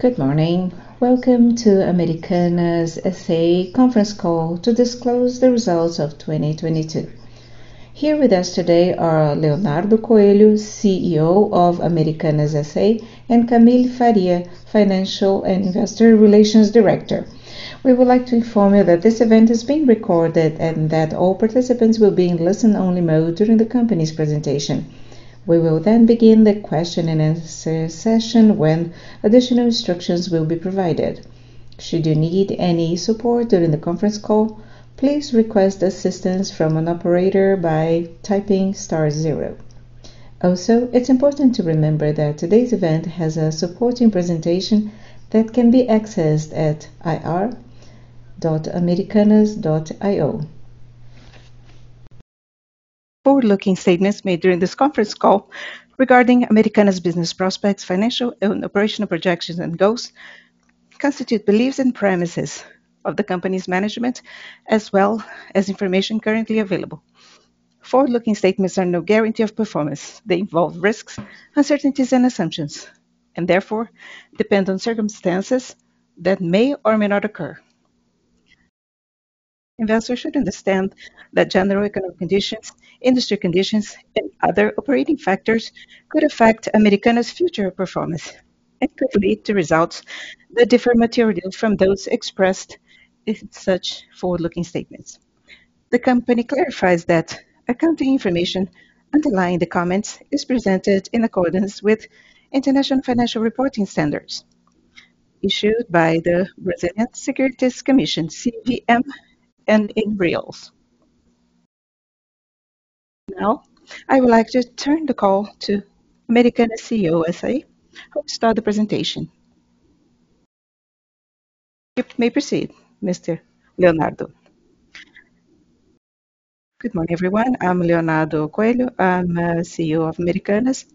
Good morning. Welcome to Americanas SA conference call to disclose the results of 2022. Here with us today are Leonardo Coelho, CEO of Americanas SA, and Camille Faria, Financial and Investor Relations Director. We would like to inform you that this event is being recorded and that all participants will be in listen-only mode during the company's presentation. We will then begin the question-and-answer session when additional instructions will be provided. Should you need any support during the conference call, please request assistance from an operator by typing star zero. Also, it's important to remember that today's event has a supporting presentation that can be accessed at ir.americanas.io. Forward-looking statements made during this conference call regarding Americanas business prospects, financial and operational projections and goals, constitute beliefs and premises of the company's management, as well as information currently available. Forward-looking statements are no guarantee of performance. They involve risks, uncertainties and assumptions, and therefore depend on circumstances that may or may not occur. Investors should understand that general economic conditions, industry conditions, and other operating factors could affect Americanas' future performance and could lead to results that differ materially from those expressed in such forward-looking statements. The company clarifies that accounting information underlying the comments is presented in accordance with International Financial Reporting Standards issued by the Brazilian Securities Commission, CVM, and in reals. Now, I would like to turn the call to Americanas SA CEO, who will start the presentation. You may proceed, Mr. Leonardo. Good morning, everyone. I'm Leonardo Coelho. I'm CEO of Americanas,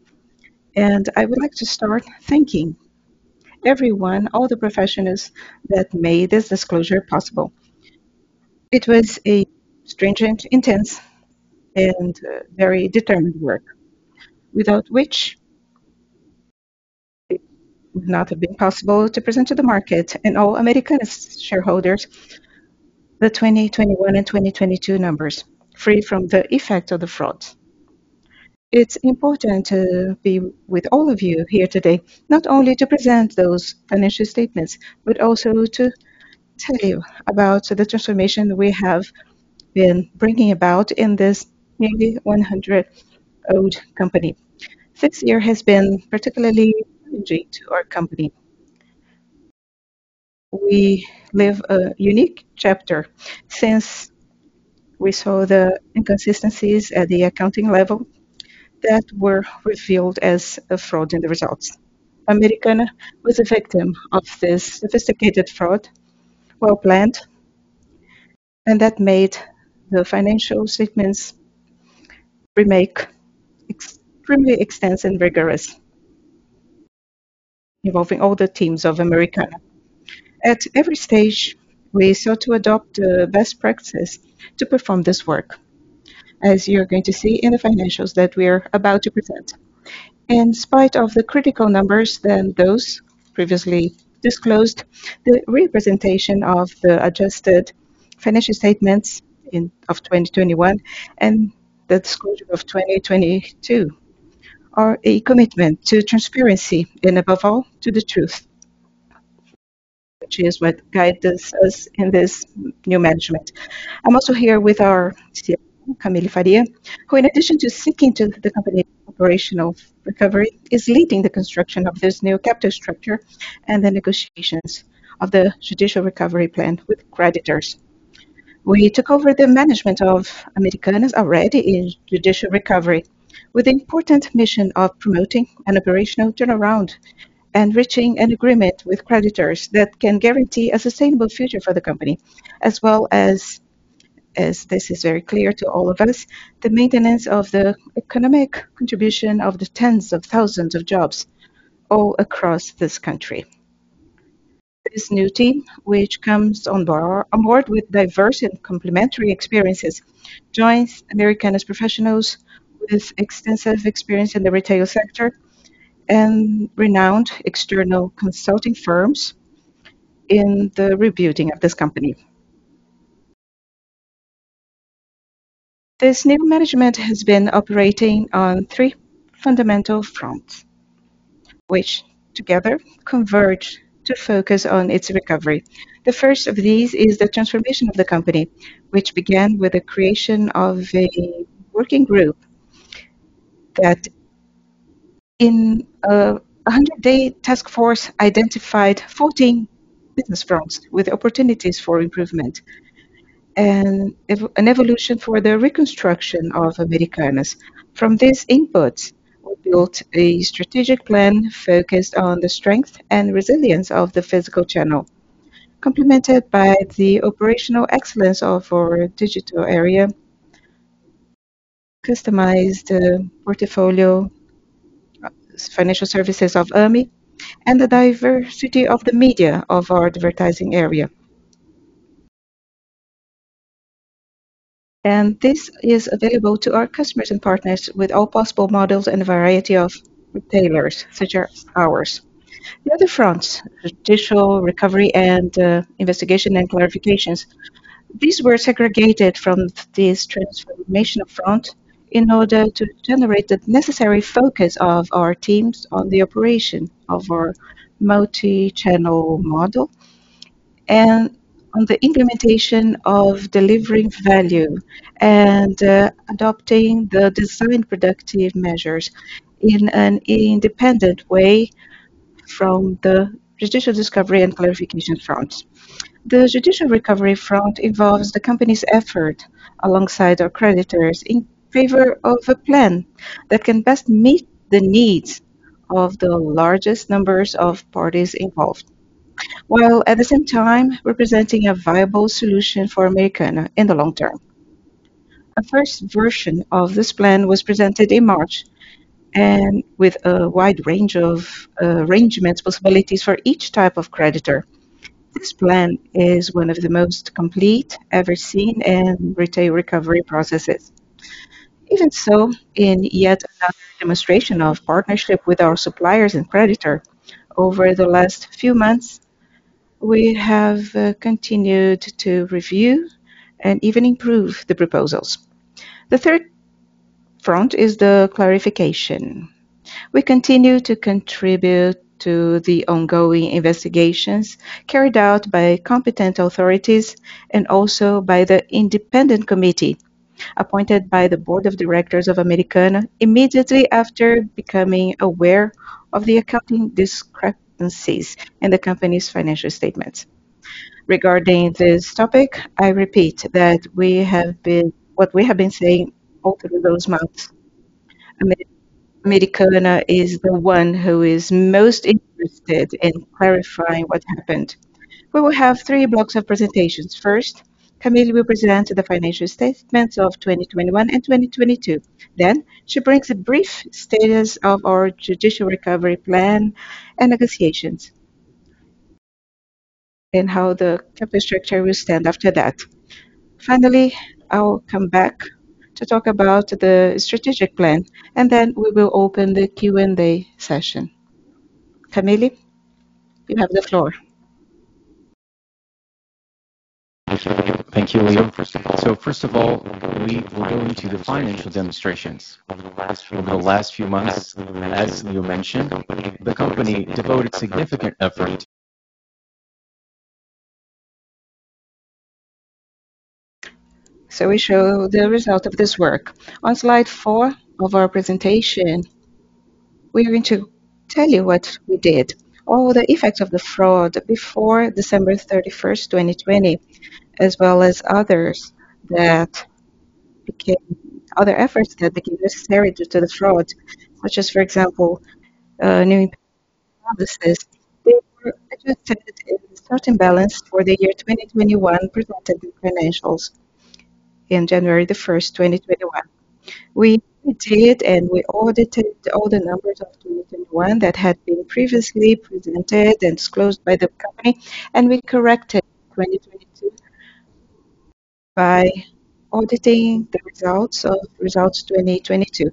and I would like to start thanking everyone, all the professionals that made this disclosure possible. It was a stringent, intense, and very determined work, without which it would not have been possible to present to the market and all Americanas shareholders the 2021 and 2022 numbers, free from the effect of the fraud. It's important to be with all of you here today, not only to present those financial statements, but also to tell you about the transformation we have been bringing about in this nearly 100-year-old company. This year has been particularly challenging to our company. We live a unique chapter since we saw the inconsistencies at the accounting level that were revealed as a fraud in the results. Americanas was a victim of this sophisticated fraud, well planned, and that made the financial statements remake extremely extensive and rigorous, involving all the teams of Americanas. At every stage, we sought to adopt best practices to perform this work, as you are going to see in the financials that we are about to present. In spite of the critical numbers than those previously disclosed, the representation of the adjusted financial statements in of 2021 and the schedule of 2022 are a commitment to transparency and, above all, to the truth, which is what guides us in this new management. I'm also here with our CFO, Camille Faria, who, in addition to seeking to the company operational recovery, is leading the construction of this new capital structure and the negotiations of the judicial recovery plan with creditors. We took over the management of Americanas already in judicial recovery, with the important mission of promoting an operational turnaround and reaching an agreement with creditors that can guarantee a sustainable future for the company, as well as, as this is very clear to all of us, the maintenance of the economic contribution of the tens of thousands of jobs all across this country. This new team, which comes on board, on board with diverse and complementary experiences, joins Americanas professionals with extensive experience in the retail sector and renowned external consulting firms in the rebuilding of this company. This new management has been operating on three fundamental fronts, which together converge to focus on its recovery. The first of these is the transformation of the company, which began with the creation of a working group that in a 100-day task force, identified 14 business fronts with opportunities for improvement and an evolution for the reconstruction of Americanas. From this input, we built a strategic plan focused on the strength and resilience of the physical channel, complemented by the operational excellence of our digital area, customized portfolio, financial services of Ame, and the diversity of the media of our advertising area. This is available to our customers and partners with all possible models and a variety of retailers, such as ours. The other fronts, judicial recovery and, investigation and clarifications, these were segregated from this transformation front in order to generate the necessary focus of our teams on the operation of our multi-channel model and on the implementation of delivering value and, adopting the design productive measures in an independent way from the judicial discovery and clarification fronts. The judicial recovery front involves the company's effort alongside our creditors in favor of a plan that can best meet the needs of the largest numbers of parties involved, while at the same time, representing a viable solution for Americanas in the long term. A first version of this plan was presented in March, and with a wide range of, arrangements, possibilities for each type of creditor. This plan is one of the most complete ever seen in retail recovery processes. Even so, in yet another demonstration of partnership with our suppliers and creditor, over the last few months, we have continued to review and even improve the proposals. The third front is the clarification. We continue to contribute to the ongoing investigations carried out by competent authorities and also by the independent committee, appointed by the board of directors of Americanas, immediately after becoming aware of the accounting discrepancies in the company's financial statements. Regarding this topic, I repeat that we have been saying all through those months, Americanas is the one who is most interested in clarifying what happened. We will have three blocks of presentations. First, Camille will present the financial statements of 2021 and 2022. Then, she brings a brief status of our judicial recovery plan and negotiations, and how the capital structure will stand after that. Finally, I will come back to talk about the strategic plan, and then we will open the Q&A session. Camille, you have the floor. Thank you, Leo. So first of all, we will go into the financial statements. Over the last few months, as Leo mentioned, the company devoted significant effort- So we show the result of this work. On slide 4 of our presentation, we're going to tell you what we did. All the effects of the fraud before December 31, 2020, as well as others, that became other efforts that became necessary due to the fraud, such as, for example, new processes. They were adjusted in the starting balance for the year 2021, presented in financials in January 1, 2021. We did, and we audited all the numbers of 2021 that had been previously presented and disclosed by the company, and we corrected 2022 by auditing the results of results 2022,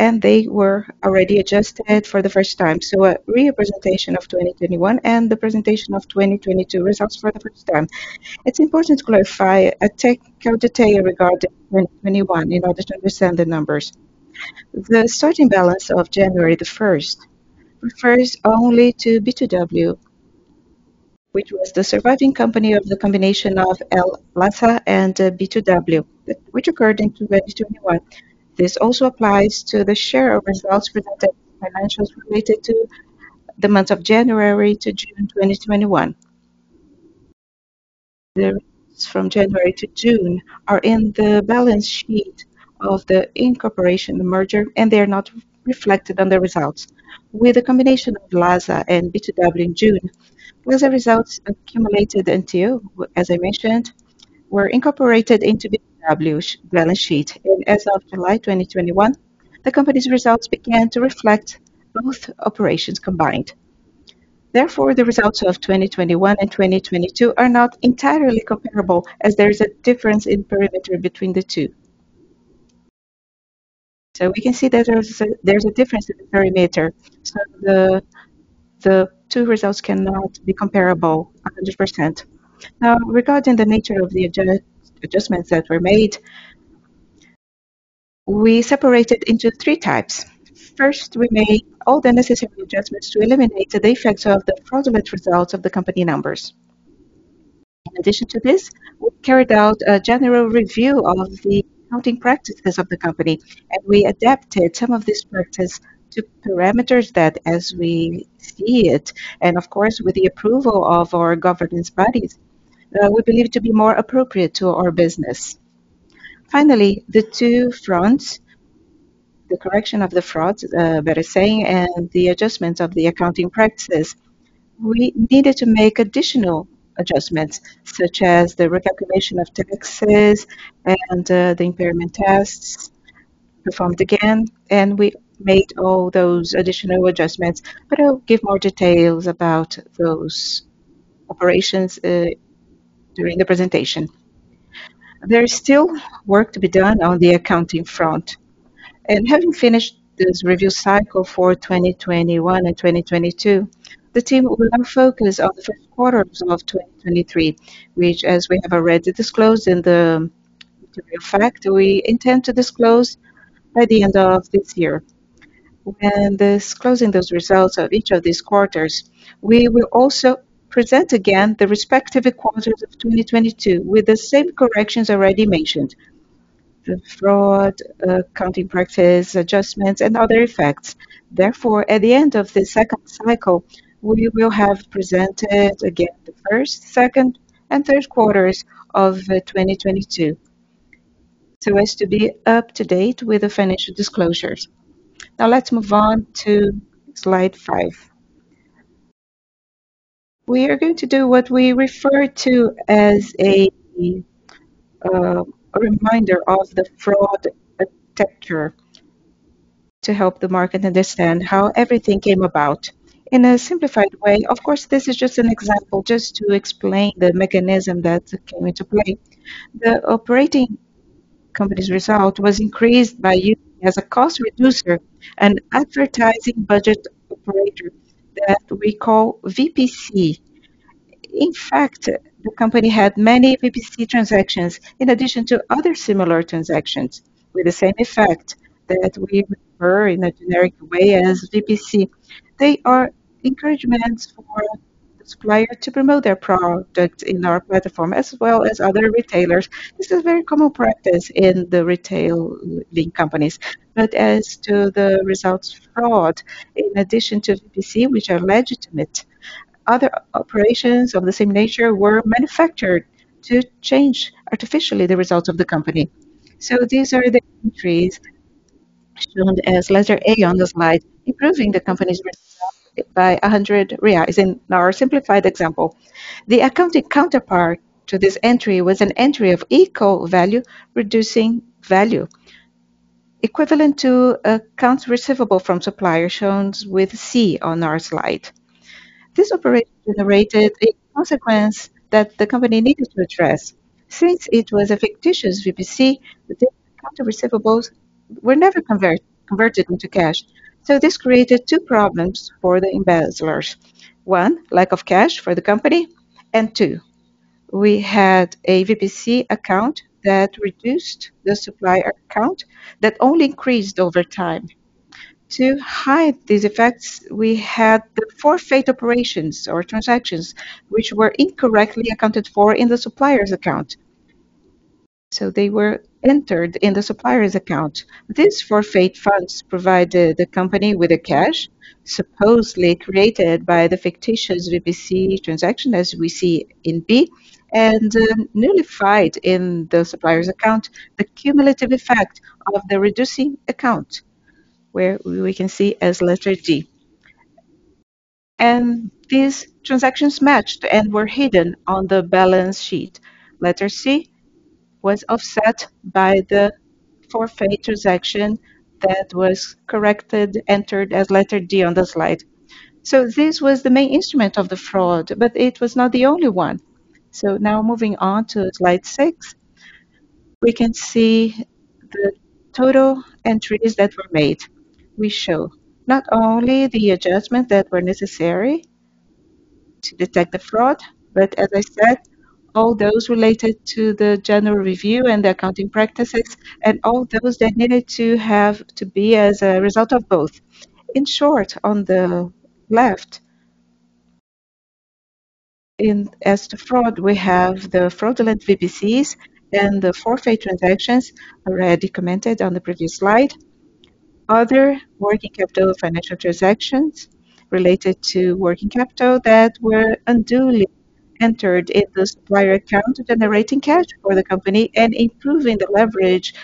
and they were already adjusted for the first time. So a re-presentation of 2021 and the presentation of 2022 results for the first time. It's important to clarify a tech detail regarding 2021 in order to understand the numbers. The starting balance of January 1 refers only to B2W, which was the surviving company of the combination of LASA and B2W, which occurred in 2021. This also applies to the share of results presented in financials related to the months of January to June 2021. The from January to June are in the balance sheet of the incorporation, the merger, and they are not reflected on the results. With the combination of LASA and B2W in June, those are results accumulated until, as I mentioned, were incorporated into B2W balance sheet. As of July 2021, the company's results began to reflect both operations combined. Therefore, the results of 2021 and 2022 are not entirely comparable, as there is a difference in perimeter between the two. So we can see that there's a, there's a difference in the perimeter. So the, the two results cannot be comparable a hundred percent. Now, regarding the nature of the adjustments that were made, we separated into three types. First, we made all the necessary adjustments to eliminate the effects of the fraudulent results of the company numbers. In addition to this, we carried out a general review of the accounting practices of the company, and we adapted some of this practice to parameters that as we see it, and of course, with the approval of our governance bodies, we believe to be more appropriate to our business. Finally, the two fronts, the correction of the fraud, that is saying, and the adjustment of the accounting practices, we needed to make additional adjustments, such as the recalculation of taxes and the impairment tests. performed again, and we made all those additional adjustments, but I'll give more details about those operations during the presentation. There is still work to be done on the accounting front, and having finished this review cycle for 2021 and 2022, the team will now focus on the first quarter of 2023, which, as we have already disclosed in the interim fact, we intend to disclose by the end of this year. When disclosing those results of each of these quarters, we will also present again the respective quarters of 2022, with the same corrections already mentioned: the fraud, accounting practices, adjustments, and other effects. Therefore, at the end of the second cycle, we will have presented again the first, second, and third quarters of 2022. So as to be up to date with the financial disclosures. Now, let's move on to slide five. We are going to do what we refer to as a reminder of the fraud architecture to help the market understand how everything came about. In a simplified way, of course, this is just an example, just to explain the mechanism that came into play. The operating company's result was increased by using as a cost reducer, an advertising budget operator that we call VPC. In fact, the company had many VPC transactions, in addition to other similar transactions with the same effect that we refer in a generic way as VPC. They are encouragements for the supplier to promote their product in our platform, as well as other retailers. This is a very common practice in the retailing companies. But as to the results fraud, in addition to VPC, which are legitimate, other operations of the same nature were manufactured to change artificially the results of the company. So these are the entries shown as letter A on the slide, improving the company's result by 100 reais in our simplified example. The accounting counterpart to this entry was an entry of equal value, reducing value, equivalent to accounts receivable from supplier shown with C on our slide. This operation generated a consequence that the company needed to address. Since it was a fictitious VPC, the account receivables were never converted into cash. So this created two problems for the embezzlers: one, lack of cash for the company, and two, we had a VPC account that reduced the supplier account that only increased over time. To hide these effects, we had the forfait operations or transactions, which were incorrectly accounted for in the supplier's account. So they were entered in the supplier's account. These forfaits funds provided the company with the cash, supposedly created by the fictitious VPC transaction, as we see in B, and nullified in the supplier's account, the cumulative effect of the reducing account, where we can see as letter D. And these transactions matched and were hidden on the balance sheet. Letter C was offset by the forfait transaction that was corrected, entered as letter D on the slide. So this was the main instrument of the fraud, but it was not the only one. So now moving on to slide six, we can see the total entries that were made. We show not only the adjustments that were necessary to detect the fraud, but as I said, all those related to the general review and the accounting practices and all those that needed to have to be as a result of both. In short, on the left, as to fraud, we have the fraudulent VPCs and the forfait transactions already commented on the previous slide. Other working capital financial transactions related to working capital that were unduly entered in the supplier account, generating cash for the company and improving the leverage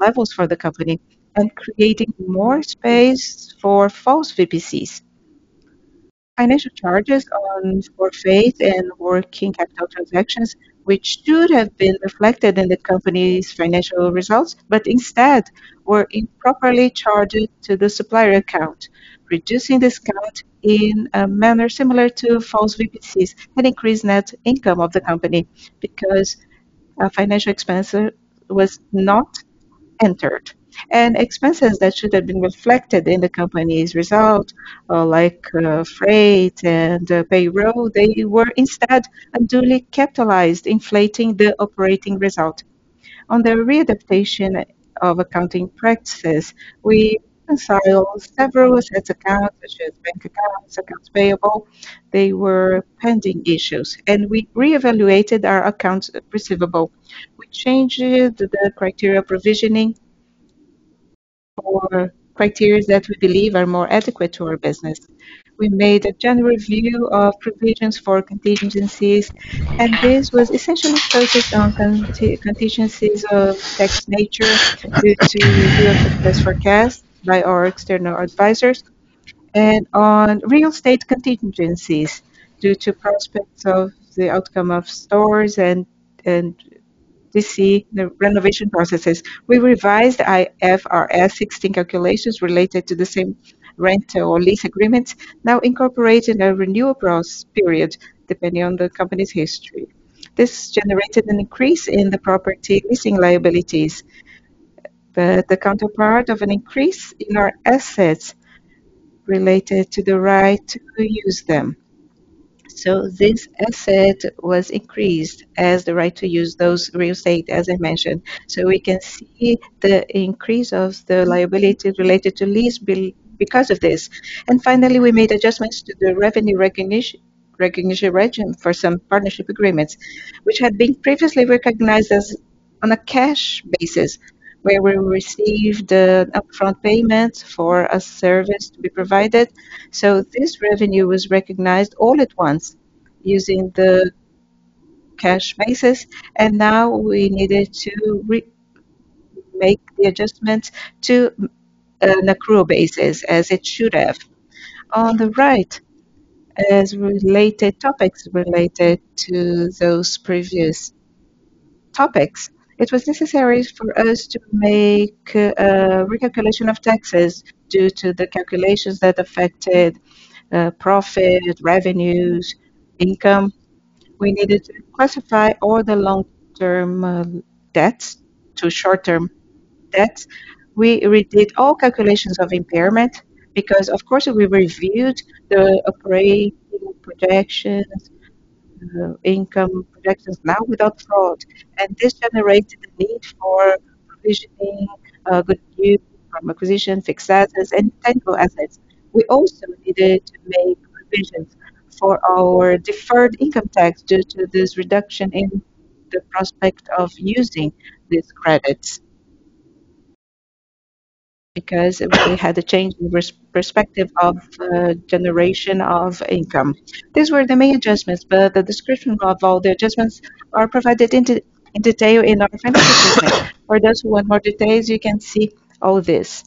levels for the company and creating more space for false VPCs. Financial charges on forfait and working capital transactions, which should have been reflected in the company's financial results, but instead were improperly charged to the supplier account, reducing this account in a manner similar to false VPCs and increased net income of the company because a financial expense was not entered. Expenses that should have been reflected in the company's result, like, freight and payroll, they were instead unduly capitalized, inflating the operating result. On the readaptation of accounting practices, we reconciled several accounts, such as bank accounts, accounts payable. They were pending issues, and we re-evaluated our accounts receivable. We changed the criteria of provisioning for criteria that we believe are more adequate to our business. We made a general review of provisions for contingencies, and this was essentially focused on contingencies of tax nature due to review of the best forecast by our external advisors. And on real estate contingencies due to prospects of the outcome of stores and we see the renovation processes. We revised IFRS 16 calculations related to the same rental or lease agreements, now incorporating a renewal clause period, depending on the company's history. This generated an increase in the property leasing liabilities, but the counterpart of an increase in our assets related to the right to use them. So this asset was increased as the right to use those real estate, as I mentioned. So we can see the increase of the liability related to lease because of this. And finally, we made adjustments to the revenue recognition, recognition regime for some partnership agreements, which had been previously recognized as on a cash basis, where we received the upfront payments for a service to be provided. So this revenue was recognized all at once, using the cash basis, and now we needed to re-make the adjustments to an accrual basis, as it should have. On the right, as related topics related to those previous topics, it was necessary for us to make a recalculation of taxes due to the calculations that affected profit, revenues, income. We needed to classify all the long-term debts to short-term debts. We redid all calculations of impairment because, of course, we reviewed the operating projections, income projections, now without fraud, and this generated the need for provisioning goodwill from acquisition, fixed assets, and tangible assets. We also needed to make provisions for our deferred income tax due to this reduction in the prospect of using these credits because we had a change in perspective of the generation of income. These were the main adjustments, but the description of all the adjustments are provided in detail in our financial statement. For those who want more details, you can see all this.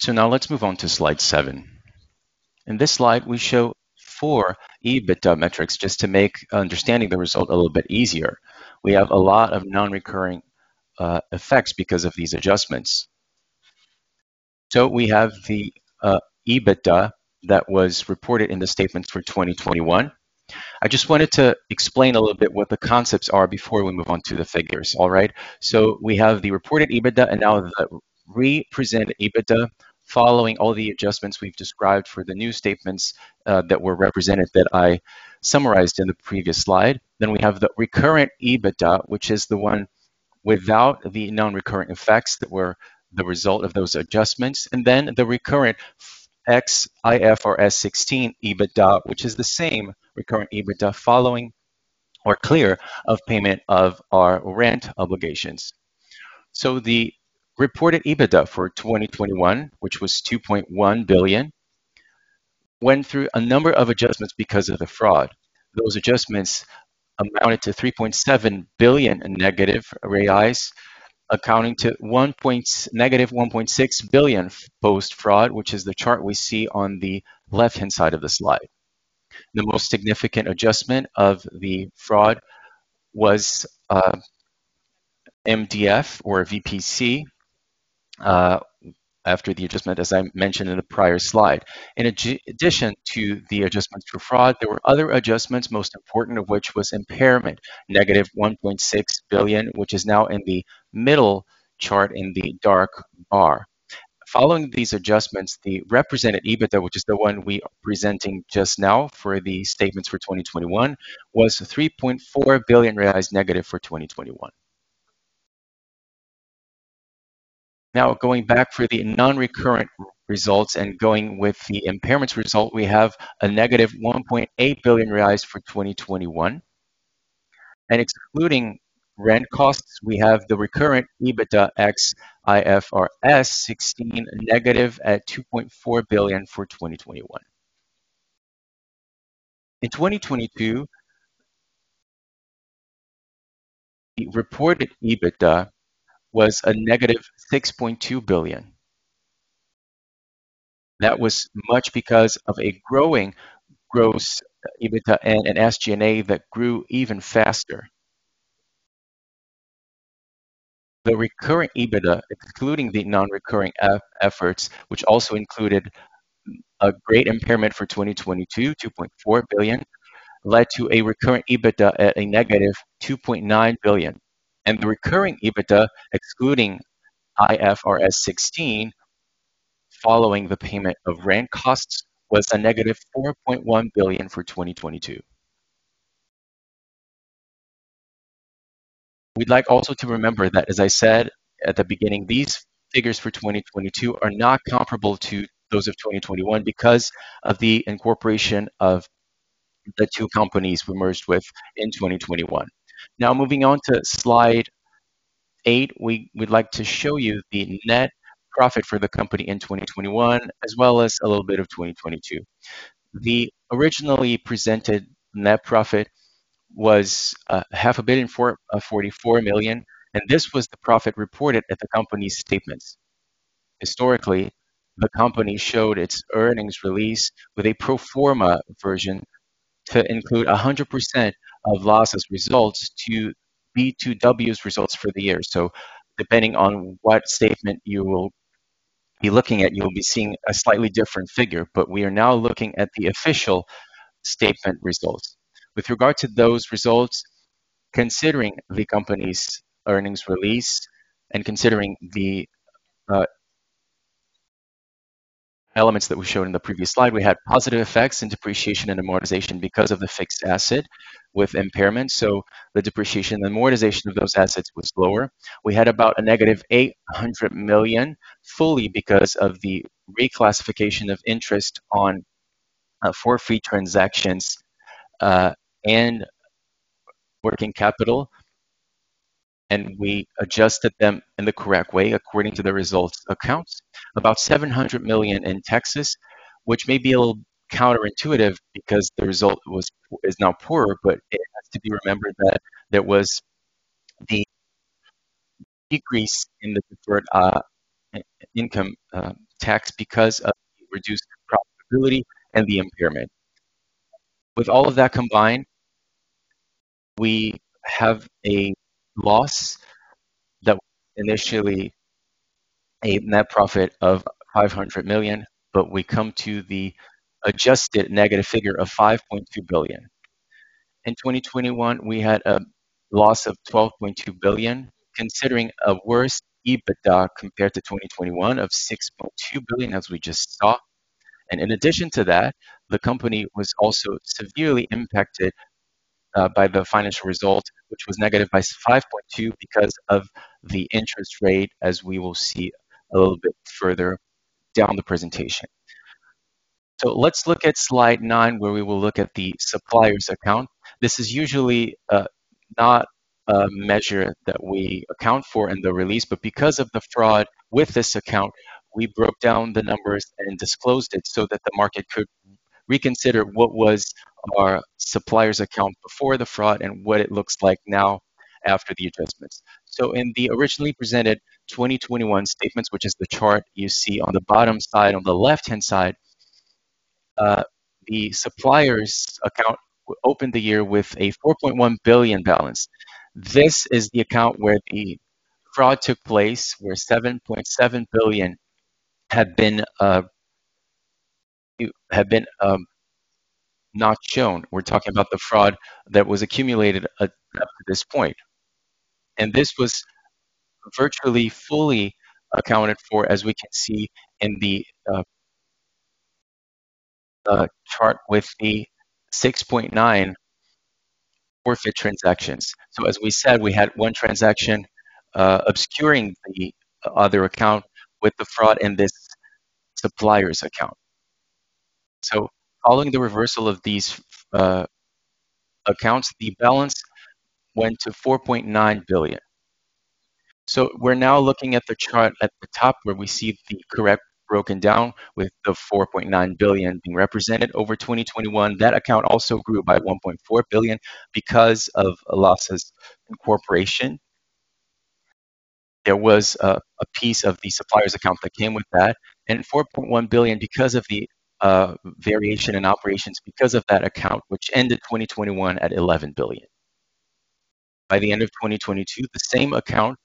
So now let's move on to slide 7. In this slide, we show four EBITDA metrics just to make understanding the result a little bit easier. We have a lot of non-recurring effects because of these adjustments. So we have the EBITDA that was reported in the statements for 2021. I just wanted to explain a little bit what the concepts are before we move on to the figures. All right? So we have the reported EBITDA, and now the represented EBITDA, following all the adjustments we've described for the new statements that were represented, that I summarized in the previous slide. Then we have the recurrent EBITDA, which is the one without the non-recurring effects that were the result of those adjustments, and then the recurrent ex-IFRS 16 EBITDA, which is the same recurrent EBITDA following or clear of payment of our rent obligations. The reported EBITDA for 2021, which was 2.1 billion, went through a number of adjustments because of the fraud. Those adjustments amounted to -3.7 billion, accounting to -1.6 billion post-fraud, which is the chart we see on the left-hand side of the slide. The most significant adjustment of the fraud was MDF or VPC after the adjustment, as I mentioned in the prior slide. In addition to the adjustments for fraud, there were other adjustments, most important of which was impairment, -1.6 billion, which is now in the middle chart in the dark bar. Following these adjustments, the represented EBITDA, which is the one we are presenting just now for the statements for 2021, was -3.4 billion reais for 2021. Now, going back for the non-recurrent results and going with the impairments result, we have a -1.8 billion reais for 2021. Excluding rent costs, we have the recurrent EBITDA ex-IFRS 16, at -2.4 billion for 2021. In 2022, the reported EBITDA was a -6.2 billion. That was much because of a growing gross EBITDA and an SG&A that grew even faster. The recurrent EBITDA, excluding the non-recurring effects, which also included a great impairment for 2022, 2.4 billion, led to a recurrent EBITDA at a -2.9 billion, and the recurring EBITDA, excluding IFRS 16, following the payment of rent costs, was a -4.1 billion for 2022. We'd like also to remember that, as I said at the beginning, these figures for 2022 are not comparable to those of 2021 because of the incorporation of the two companies we merged with in 2021. Now moving on to slide 8, we'd like to show you the net profit for the company in 2021, as well as a little bit of 2022. The originally presented net profit was 544 million, and this was the profit reported at the company's statements. Historically, the company showed its earnings release with a pro forma version to include 100% of LASA results to B2W's results for the year. So depending on what statement you will be looking at, you'll be seeing a slightly different figure. But we are now looking at the official statement results. With regard to those results, considering the company's earnings release and considering the elements that were shown in the previous slide, we had positive effects in depreciation and amortization because of the fixed asset with impairment, so the depreciation and amortization of those assets was lower. We had about -800 million, fully because of the reclassification of interest on forfait transactions and working capital, and we adjusted them in the correct way according to the results accounts. About 700 million in taxes, which may be a little counterintuitive because the result was, is now poorer, but it has to be remembered that there was a decrease in the income tax because of the reduced profitability and the impairment. With all of that combined, we have a loss that initially a net profit of 500 million, but we come to the adjusted negative figure of 5.2 billion. In 2021, we had a loss of 12.2 billion, considering a worse EBITDA compared to 2021 of 6.2 billion, as we just saw. In addition to that, the company was also severely impacted by the financial result, which was negative by 5.2 because of the interest rate, as we will see a little bit further down the presentation. So let's look at slide nine, where we will look at the suppliers account. This is usually not a measure that we account for in the release, but because of the fraud with this account, we broke down the numbers and disclosed it so that the market could reconsider what was our suppliers account before the fraud and what it looks like now after the adjustments. So in the originally presented 2021 statements, which is the chart you see on the bottom side, on the left-hand side, the suppliers account opened the year with a 4.1 billion balance. This is the account where the fraud took place, where 7.7 billion had been not shown. We're talking about the fraud that was accumulated up to this point, and this was virtually fully accounted for, as we can see in the chart with the 6.9 forfait transactions. So as we said, we had one transaction obscuring the other account with the fraud in this suppliers account. So following the reversal of these accounts, the balance went to 4.9 billion. So we're now looking at the chart at the top, where we see the correct broken down, with the 4.9 billion being represented over 2021. That account also grew by 1.4 billion because of a losses incorporation. There was a piece of the suppliers account that came with that and 4.1 billion because of the variation in operations because of that account, which ended 2021 at 11 billion. By the end of 2022, the same account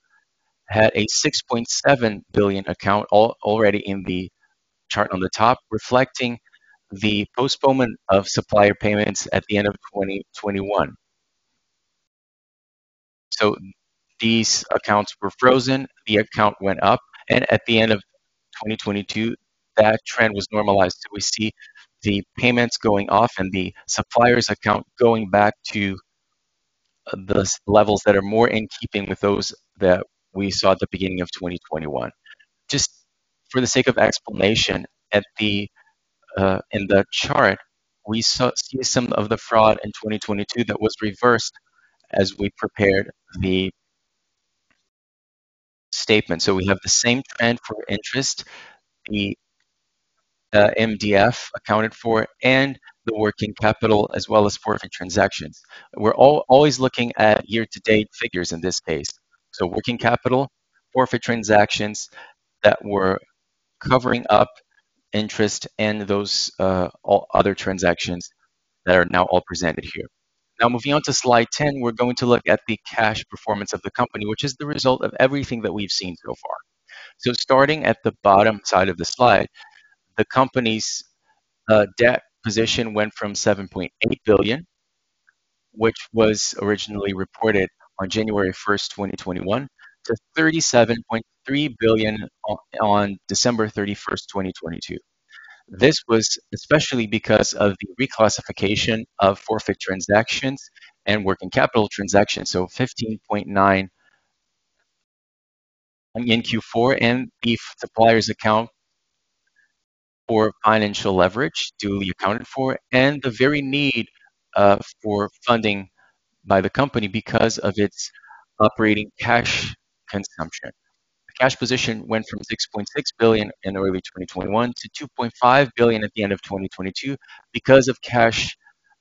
had a 6.7 billion account already in the chart on the top, reflecting the postponement of supplier payments at the end of 2021. So these accounts were frozen, the account went up, and at the end of 2022, that trend was normalized. We see the payments going off and the suppliers account going back to the levels that are more in keeping with those that we saw at the beginning of 2021. Just for the sake of explanation, at the, In the chart, we saw some of the fraud in 2022 that was reversed as we prepared the statement. So we have the same trend for interest, the MDF accounted for, and the working capital, as well as forfait transactions. We're always looking at year-to-date figures in this case. So working capital, forfait transactions that were covering up interest and those all other transactions that are now all presented here. Now, moving on to slide 10, we're going to look at the cash performance of the company, which is the result of everything that we've seen so far. So starting at the bottom side of the slide, the company's debt position went from 7.8 billion, which was originally reported on January 1, 2021, to 37.3 billion on December 31, 2022. This was especially because of the reclassification of forfait transactions and working capital transactions. So 15.9 in Q4 in the suppliers account for financial leverage duly accounted for, and the very need for funding by the company because of its operating cash consumption. The cash position went from 6.6 billion in early 2021 to 2.5 billion at the end of 2022 because of cash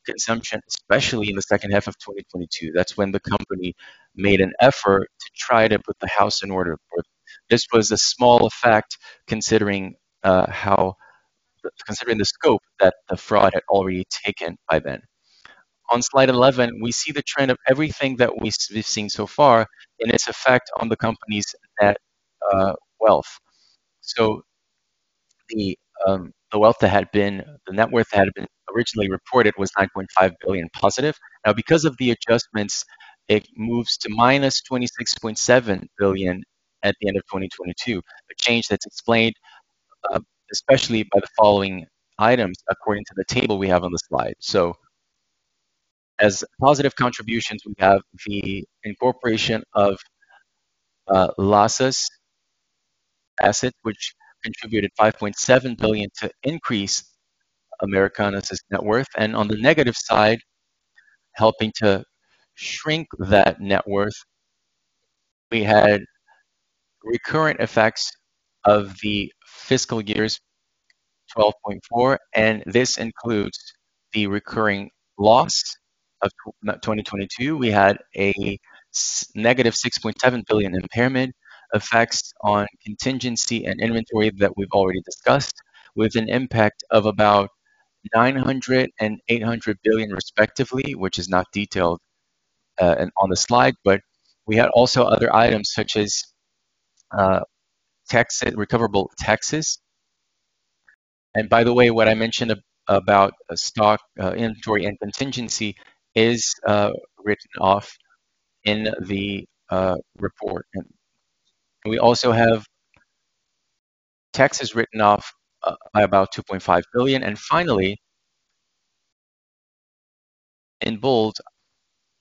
consumption, especially in the second half of 2022. That's when the company made an effort to try to put the house in order, but this was a small effect, considering how considering the scope that the fraud had already taken by then. On slide 11, we see the trend of everything that we've seen so far and its effect on the company's net wealth. So the wealth that had been the net worth that had been originally reported was 9.5 billion positive. Now, because of the adjustments, it moves to -26.7 billion at the end of 2022. A change that's explained especially by the following items, according to the table we have on the slide. So as positive contributions, we have the incorporation of losses asset, which contributed 5.7 billion to increase Americanas' net worth. On the negative side, helping to shrink that net worth, we had recurrent effects of the fiscal years, 12.4 billion, and this includes the recurring loss of 2022. We had a -6.7 billion impairment, effects on contingency and inventory that we've already discussed, with an impact of about 900 billion and 800 billion, respectively, which is not detailed on the slide. We had also other items such as tax and recoverable taxes. By the way, what I mentioned about stock, inventory, and contingency is written off in the report. We also have taxes written off by about 2.5 billion. Finally, in bold,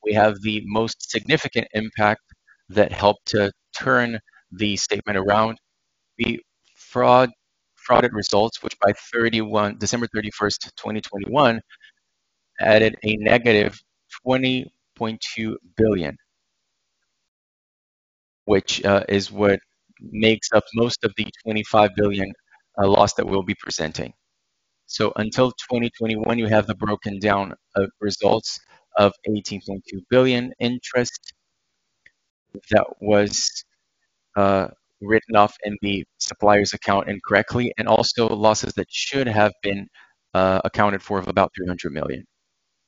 we have the most significant impact that helped to turn the statement around. The fraud, frauded results, which by December 31, 2021, added a -20.2 billion, which is what makes up most of the 25 billion loss that we'll be presenting. So until 2021, you have the broken down of results of 18.2 billion interest that was written off in the suppliers account incorrectly, and also losses that should have been accounted for of about 300 million.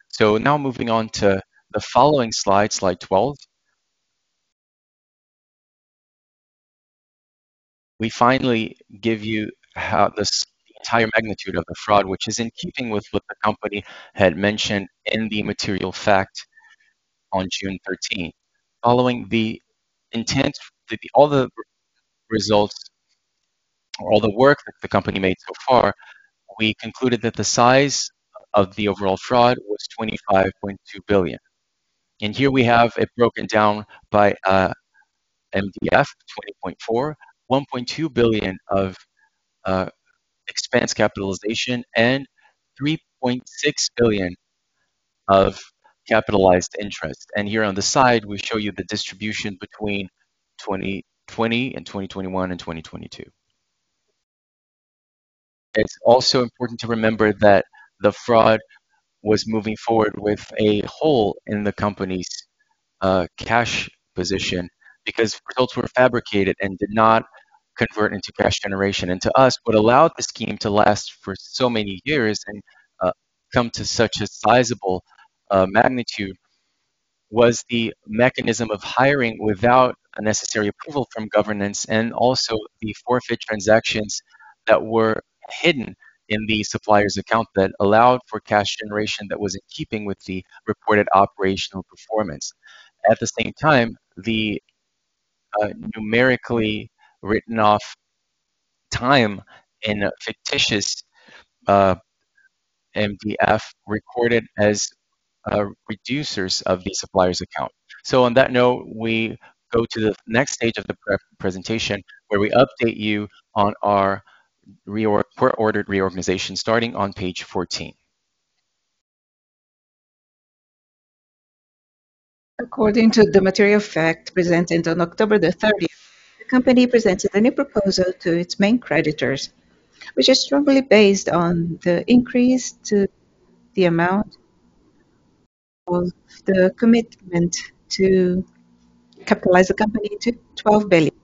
So now moving on to the following slide, slide 12. We finally give you how this entire magnitude of the fraud, which is in keeping with what the company had mentioned in the material fact on June 13. Following the intent that the... all the results or all the work that the company made so far, we concluded that the size of the overall fraud was 25.2 billion. Here we have it broken down by MDF, 20.4 billion, 1.2 billion of expense capitalization, and 3.6 billion of capitalized interest. Here on the side, we show you the distribution between 2020 and 2021 and 2022. It's also important to remember that the fraud was moving forward with a hole in the company's cash position because results were fabricated and did not convert into cash generation. To us, what allowed the scheme to last for so many years and come to such a sizable magnitude, was the mechanism of hiring without a necessary approval from governance, and also the forfait transactions that were hidden in the suppliers account that allowed for cash generation that was in keeping with the reported operational performance. At the same time, the numerically written off time in a fictitious MDF recorded as reducers of the suppliers account. So on that note, we go to the next stage of the presentation, where we update you on our court-ordered reorganization, starting on page 14. According to the material fact presented on October 30, the company presented a new proposal to its main creditors, which is strongly based on the increase to the amount of the commitment to capitalize the company to 12 billion.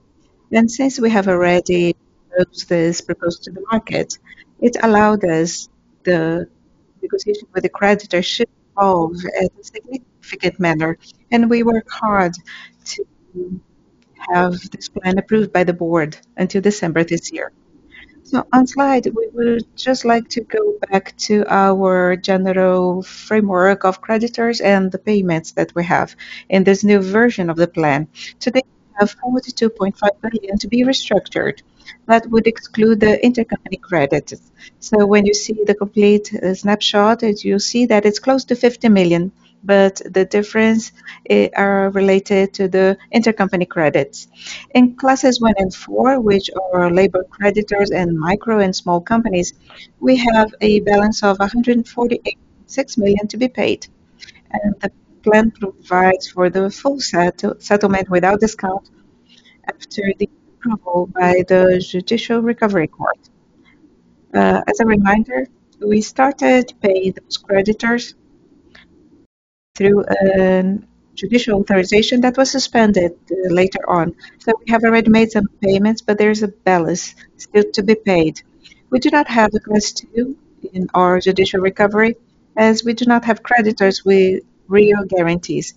Then, since we have already proposed this proposal to the market, it allowed us the negotiation with the creditor should evolve in a significant manner, and we work hard to have this plan approved by the board until December this year. So, on slide, we would just like to go back to our general framework of creditors and the payments that we have in this new version of the plan. Today, we have 42.5 billion to be restructured, that would exclude the intercompany credit. So when you see the complete snapshot, as you see that it's close to 50 million, but the difference are related to the intercompany credits. In classes one and four, which are labor creditors and micro and small companies, we have a balance of 148.6 million to be paid, and the plan provides for the full settlement without discount after the approval by the Judicial Recovery Court. As a reminder, we started to pay those creditors through a judicial authorization that was suspended later on. So we have already made some payments, but there is a balance still to be paid. We do not have the class two in our judicial recovery, as we do not have creditors with real guarantees.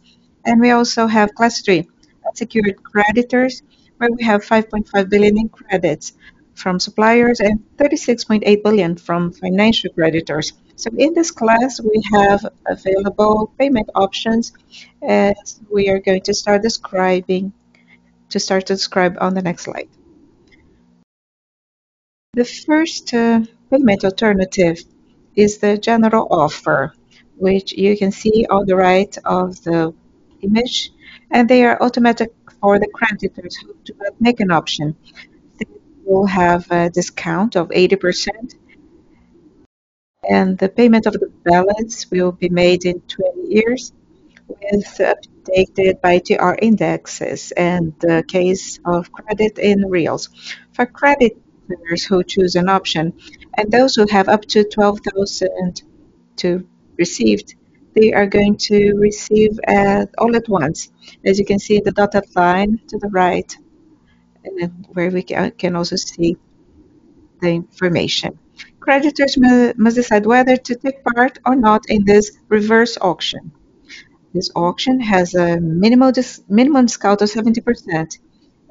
We also have class three, unsecured creditors, where we have 5.5 billion in credits from suppliers and 36.8 billion from financial creditors. In this class, we have available payment options, and we are going to start describing on the next slide. The first payment alternative is the general offer, which you can see on the right of the image, and they are automatic for the creditors who do not make an option. They will have a discount of 80%, and the payment of the balance will be made in 20 years, with updated by TR indexes in the case of credits in reais. For creditors who choose an option and those who have up to 12,002 received, they are going to receive all at once. As you can see, the dotted line to the right, and then where we can also see the information. Creditors must decide whether to take part or not in this reverse auction. This auction has a minimum discount of 70%,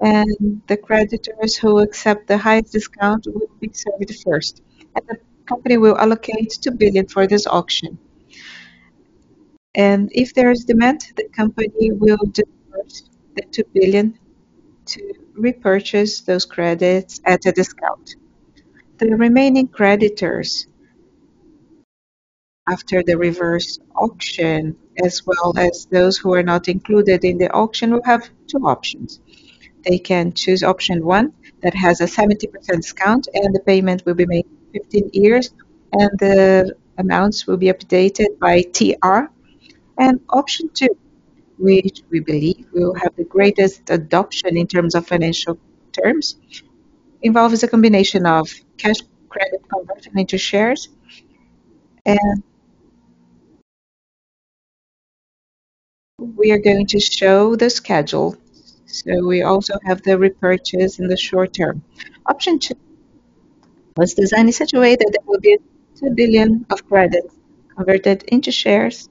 and the creditors who accept the highest discount will be served first, and the company will allocate 2 billion for this auction. If there is demand, the company will disperse the 2 billion to repurchase those credits at a discount. The remaining creditors, after the reverse auction, as well as those who are not included in the auction, will have two options. They can choose option 1, that has a 70% discount, and the payment will be made in 15 years, and the amounts will be updated by TR. option 2, which we believe will have the greatest adoption in terms of financial terms, involves a combination of cash, credit conversion into shares, and... we are going to show the schedule. We also have the repurchase in the short term. option 2 was designed in such a way that there will be 2 billion of credits converted into shares,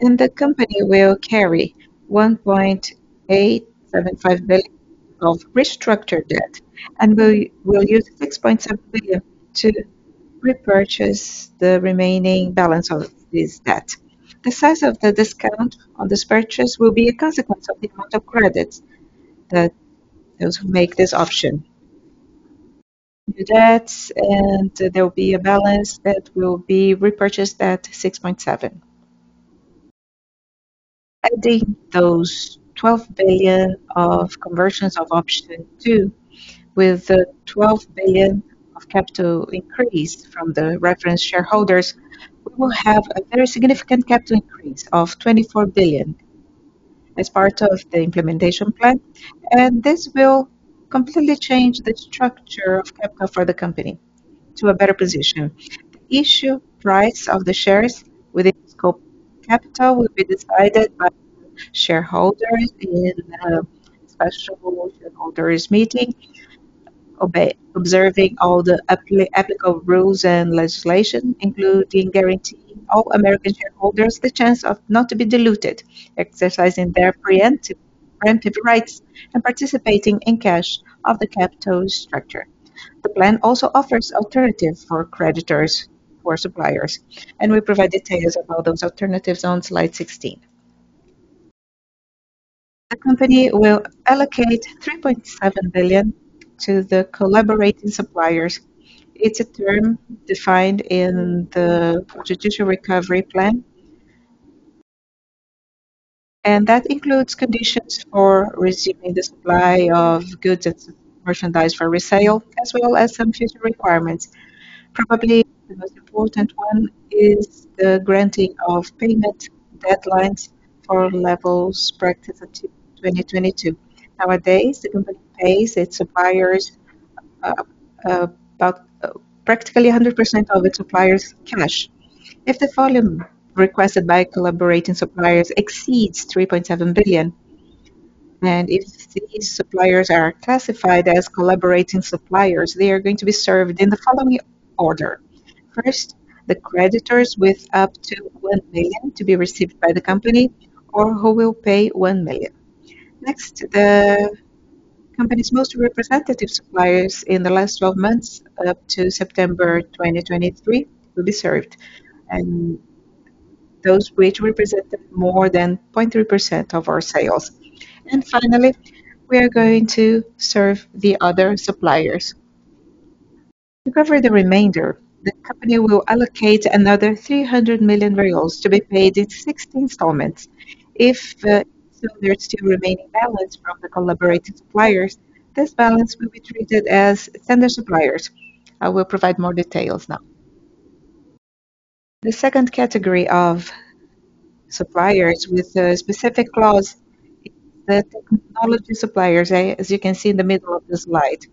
and the company will carry 1.875 billion of restructured debt and will use 6.7 billion to repurchase the remaining balance of this debt. The size of the discount on this purchase will be a consequence of the amount of credits that those who make this option. The debts, and there will be a balance that will be repurchased at 6.7. Adding those 12 billion of conversions of option 2, with the 12 billion of capital increase from the reference shareholders, we will have a very significant capital increase of 24 billion as part of the implementation plan, and this will completely change the structure of capital for the company to a better position. The issue price of the shares within scope capital will be decided by the shareholders in a special shareholders meeting, observing all the applicable rules and legislation, including guaranteeing all American shareholders the chance of not to be diluted, exercising their preemptive rights and participating in cash of the capital structure. The plan also offers alternatives for creditors, for suppliers, and we provide details about those alternatives on slide 16. The company will allocate 3.7 billion to the collaborating suppliers. It's a term defined in the Judicial Recovery Plan. That includes conditions for receiving the supply of goods and merchandise for resale, as well as some future requirements. Probably, the most important one is the granting of payment deadlines for levels practiced until 2022. Nowadays, the company pays its suppliers about practically 100% of its suppliers cash. If the volume requested by collaborating suppliers exceeds 3.7 billion, and if these suppliers are classified as collaborating suppliers, they are going to be served in the following order: First, the creditors with up to 1 million to be received by the company or who will pay 1 million. Next, the company's most representative suppliers in the last 12 months up to September 2023 will be served, those which represented more than 0.3% of our sales. And finally, we are going to serve the other suppliers. To cover the remainder, the company will allocate another 300 million reais to be paid in 60 installments. If so, there's still remaining balance from the collaborated suppliers, this balance will be treated as standard suppliers. I will provide more details now. The second category of suppliers with a specific clause, the technology suppliers, as you can see in the middle of the slide.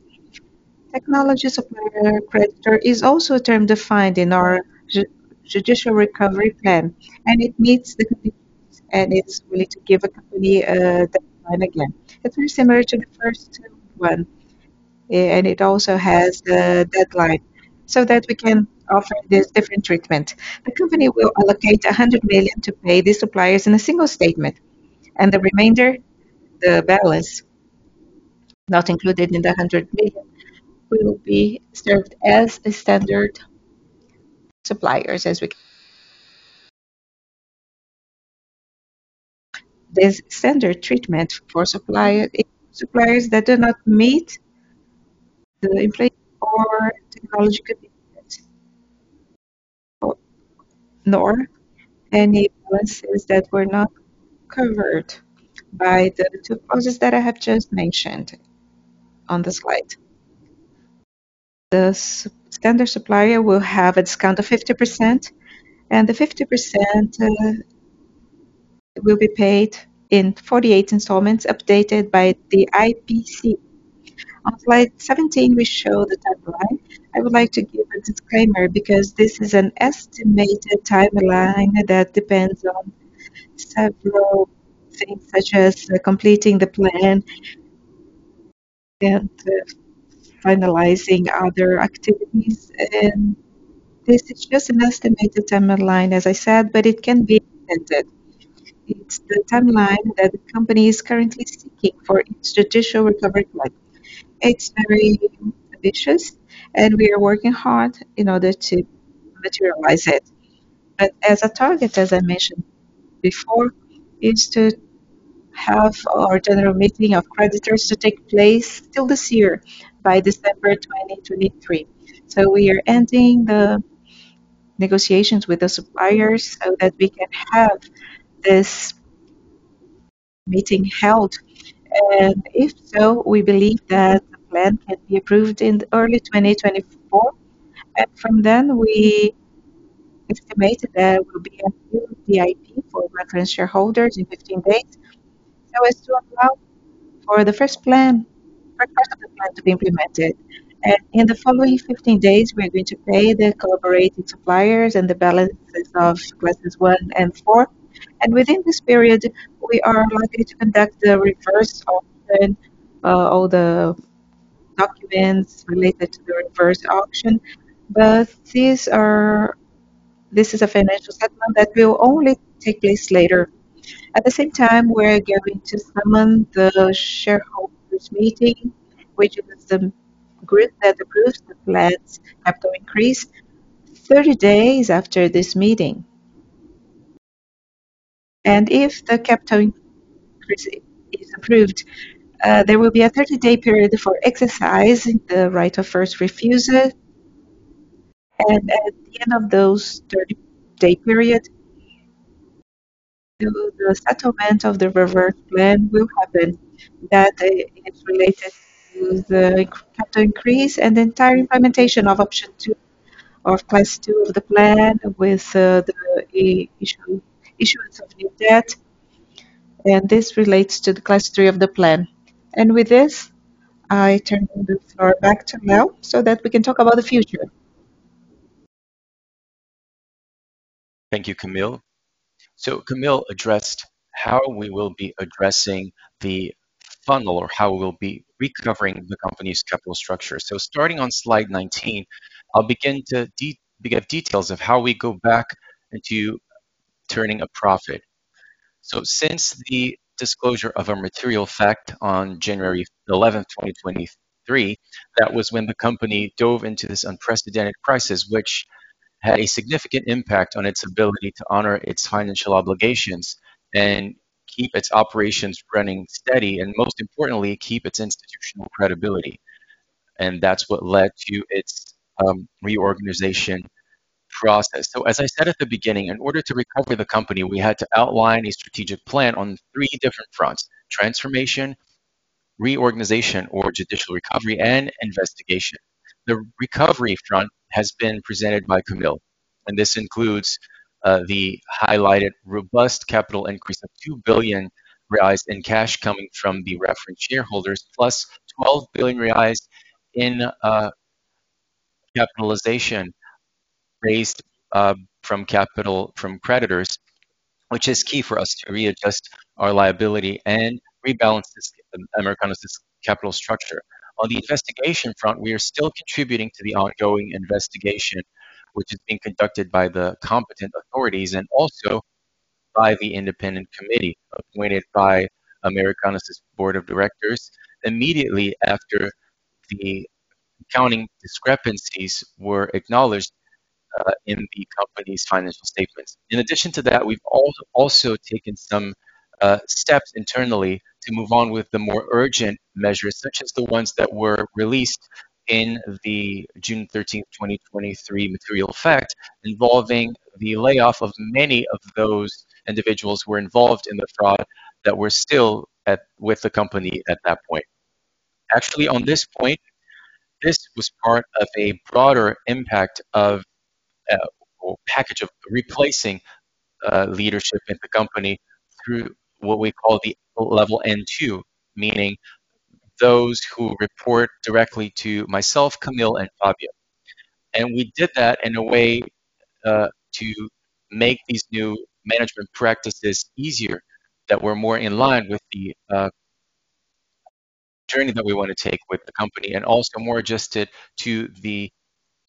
Technology supplier creditor is also a term defined in our judicial recovery plan, and it's really to give a company a deadline again. It's very similar to the first one, and it also has the deadline so that we can offer this different treatment. The company will allocate 100 million to pay the suppliers in a single statement, and the remainder, the balance not included in the 100 million, will be served as the standard suppliers as we. This standard treatment for supplier, suppliers that do not meet the inflation or technological, nor any balances that were not covered by the two clauses that I have just mentioned on the slide. The standard supplier will have a discount of 50%, and the 50%, will be paid in 48 installments updated by the IPCA. On slide 17, we show the timeline. I would like to give a disclaimer because this is an estimated timeline that depends on several things, such as completing the plan and, finalizing other activities. This is just an estimated timeline, as I said, but it can be extended. It's the timeline that the company is currently seeking for its judicial recovery plan. It's very ambitious, and we are working hard in order to materialize it. But as a target, as I mentioned before, is to have our general meeting of creditors to take place till this year by December 2023. So we are ending the negotiations with the suppliers so that we can have this meeting held. And if so, we believe that the plan can be approved in early 2024, and from then, we estimated there will be a new DIP for reference shareholders in 15 days, so as to allow for the first part of the plan to be implemented. And in the following 15 days, we are going to pay the collaborated suppliers and the balances of classes 1 and 4. And within this period, we are likely to conduct the reverse auction, all the documents related to the reverse auction, but these are... This is a financial settlement that will only take place later. At the same time, we are going to summon the shareholders meeting, which is the group that approves the plans after increase 30 days after this meeting. And if the capital increase is approved, there will be a 30-day period for exercising the right of first refusal, and at the end of those 30-day period, the settlement of the reverse plan will happen. That, is related to the capital increase and the entire implementation of option 2 or class 2 of the plan with, the issue, issuance of new debt, and this relates to the class 3 of the plan. With this, I turn the floor back to Leo so that we can talk about the future. Thank you, Camille. Camille addressed how we will be addressing the funnel or how we'll be recovering the company's capital structure. Starting on slide 19, I'll begin to give details of how we go back into turning a profit. Since the disclosure of a material fact on January 11, 2023, that was when the company dove into this unprecedented crisis, which had a significant impact on its ability to honor its financial obligations and keep its operations running steady, and most importantly, keep its institutional credibility. That's what led to its reorganization process. As I said at the beginning, in order to recover the company, we had to outline a strategic plan on three different fronts: transformation, reorganization, or judicial recovery and investigation. The recovery front has been presented by Camille, and this includes the highlighted robust capital increase of 2 billion reais in cash coming from the reference shareholders, plus 12 billion reais in capitalization raised from capital from creditors, which is key for us to readjust our liability and rebalance this American capital structure. On the investigation front, we are still contributing to the ongoing investigation, which is being conducted by the competent authorities, and also by the independent committee appointed by Americanas' board of directors immediately after the accounting discrepancies were acknowledged in the company's financial statements. In addition to that, we've also taken some steps internally to move on with the more urgent measures, such as the ones that were released in the June 13th, 2023 material fact, involving the layoff of many of those individuals who were involved in the fraud that were still with the company at that point. Actually, on this point, this was part of a broader impact or package of replacing leadership in the company through what we call the Level N-2, meaning those who report directly to myself, Camille, and Fabio. And we did that in a way to make these new management practices easier, that were more in line with the journey that we want to take with the company, and also more adjusted to the better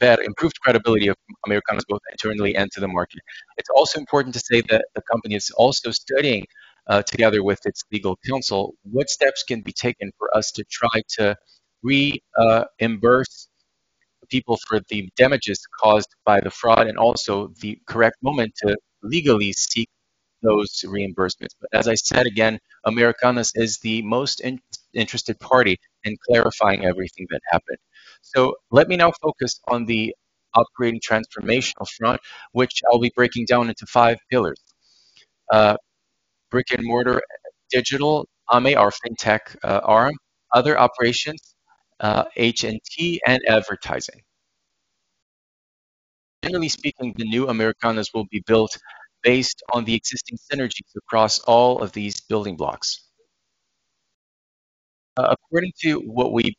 improved credibility of Americanas, both internally and to the market. It's also important to say that the company is also studying together with its legal counsel what steps can be taken for us to try to reimburse people for the damages caused by the fraud, and also the correct moment to legally seek those reimbursements. But as I said again, Americanas is the most interested party in clarifying everything that happened. So let me now focus on the upgrading transformational front, which I'll be breaking down into five pillars. Brick-and-mortar, digital, Ame, our fintech arm, other operations, HNT, and advertising. Generally speaking, the new Americanas will be built based on the existing synergies across all of these building blocks. According to what we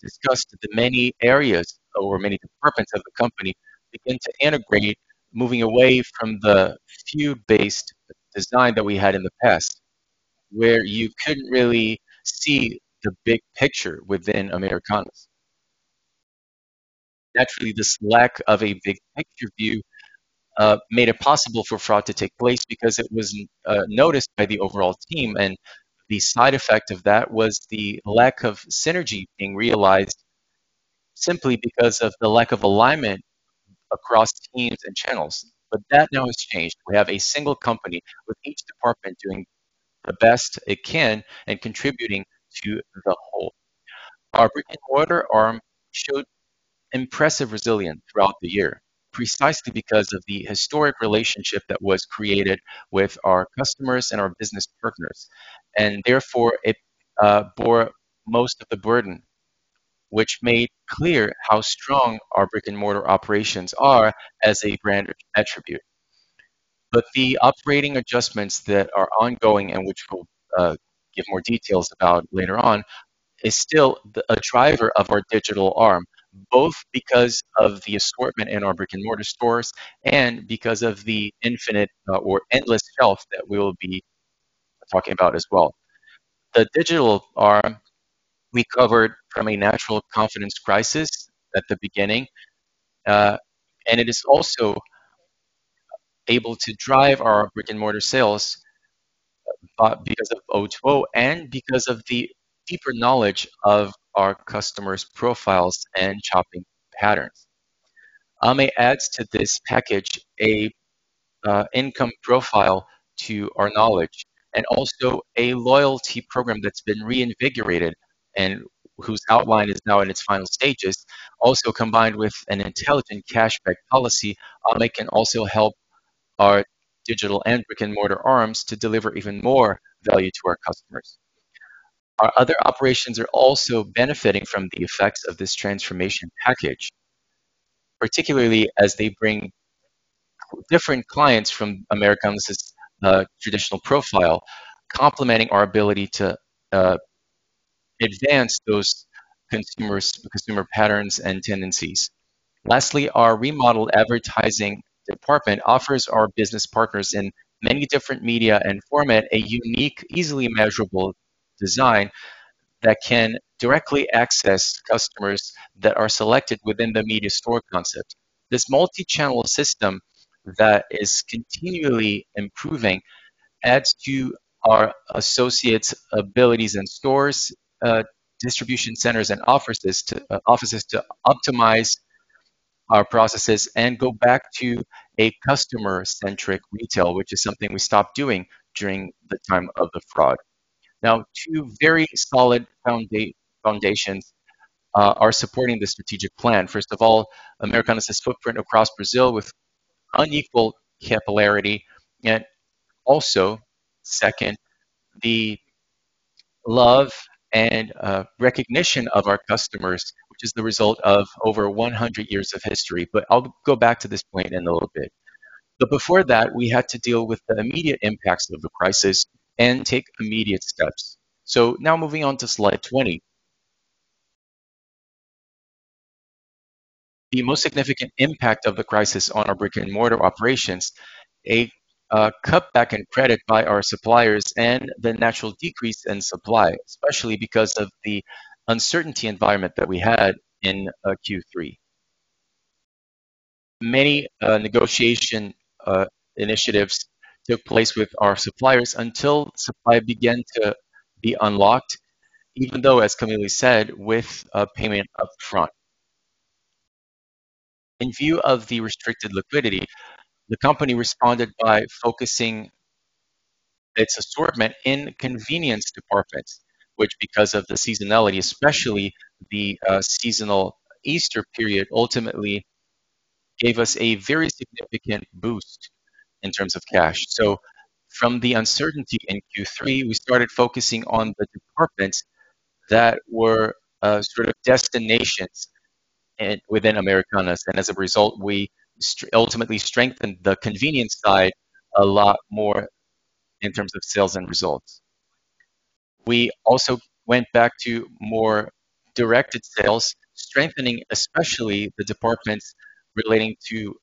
discussed, the many areas or many departments of the company begin to integrate, moving away from the few based design that we had in the past, where you couldn't really see the big picture within Americanas. Naturally, this lack of a big picture view made it possible for fraud to take place because it wasn't noticed by the overall team, and the side effect of that was the lack of synergy being realized simply because of the lack of alignment across teams and channels. But that now has changed. We have a single company, with each department doing the best it can and contributing to the whole. Our brick-and-mortar arm showed impressive resilience throughout the year, precisely because of the historic relationship that was created with our customers and our business partners, and therefore, it bore most of the burden, which made clear how strong our brick-and-mortar operations are as a brand attribute. But the upgrading adjustments that are ongoing and which we'll give more details about later on is still a driver of our digital arm, both because of the assortment in our brick-and-mortar stores and because of the infinite or endless shelf that we will be talking about as well. The digital arm recovered from a natural confidence crisis at the beginning, and it is also able to drive our brick-and-mortar sales because of O2O and because of the deeper knowledge of our customers' profiles and shopping patterns. Ame adds to this package a, income profile to our knowledge, and also a loyalty program that's been reinvigorated and whose outline is now in its final stages. Also, combined with an intelligent cashback policy, Ame can also help our digital and brick-and-mortar arms to deliver even more value to our customers. Our other operations are also benefiting from the effects of this transformation package, particularly as they bring different clients from Americanas's traditional profile, complementing our ability to advance those consumer patterns and tendencies. Lastly, our remodeled advertising department offers our business partners in many different media and format, a unique, easily measurable design that can directly access customers that are selected within the media store concept. This multi-channel system that is continually improving adds to our associates' abilities in stores, distribution centers, and offices to optimize our processes and go back to a customer-centric retail, which is something we stopped doing during the time of the fraud. Now, two very solid foundations are supporting this strategic plan. First of all, Americanas' footprint across Brazil with unequaled capillarity, and also second, the love and recognition of our customers, which is the result of over 100 years of history. But I'll go back to this point in a little bit. But before that, we had to deal with the immediate impacts of the crisis and take immediate steps. So now moving on to slide 20. The most significant impact of the crisis on our brick-and-mortar operations, cut back in credit by our suppliers and the natural decrease in supply, especially because of the uncertainty environment that we had in Q3. Many negotiation initiatives took place with our suppliers until supply began to be unlocked, even though, as Camille said, with a payment up front. In view of the restricted liquidity, the company responded by focusing its assortment in convenience departments, which, because of the seasonality, especially the seasonal Easter period, ultimately gave us a very significant boost in terms of cash. So from the uncertainty in Q3, we started focusing on the departments that were sort of destinations and within Americanas, and as a result, we ultimately strengthened the convenience side a lot more in terms of sales and results. We also went back to more directed sales, strengthening, especially the departments relating to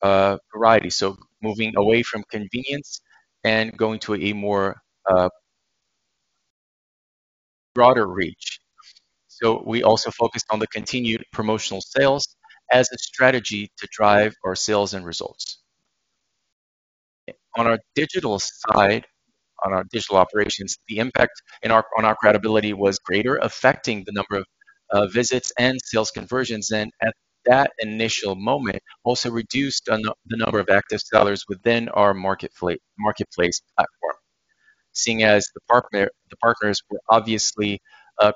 variety. So moving away from convenience and going to a more broader reach. So we also focused on the continued promotional sales as a strategy to drive our sales and results. On our digital side, on our digital operations, the impact on our credibility was greater, affecting the number of visits and sales conversions, and at that initial moment, also reduced the number of active sellers within our marketplace platform. Seeing as the partners were obviously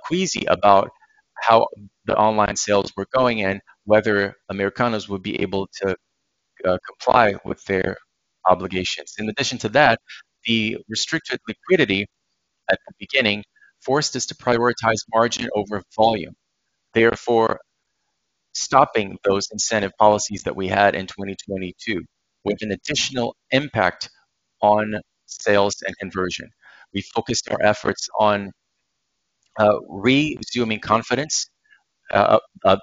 queasy about how the online sales were going and whether Americanas would be able to comply with their obligations. In addition to that, the restricted liquidity at the beginning forced us to prioritize margin over volume, therefore, stopping those incentive policies that we had in 2022, with an additional impact on sales and conversion. We focused our efforts on resuming confidence, the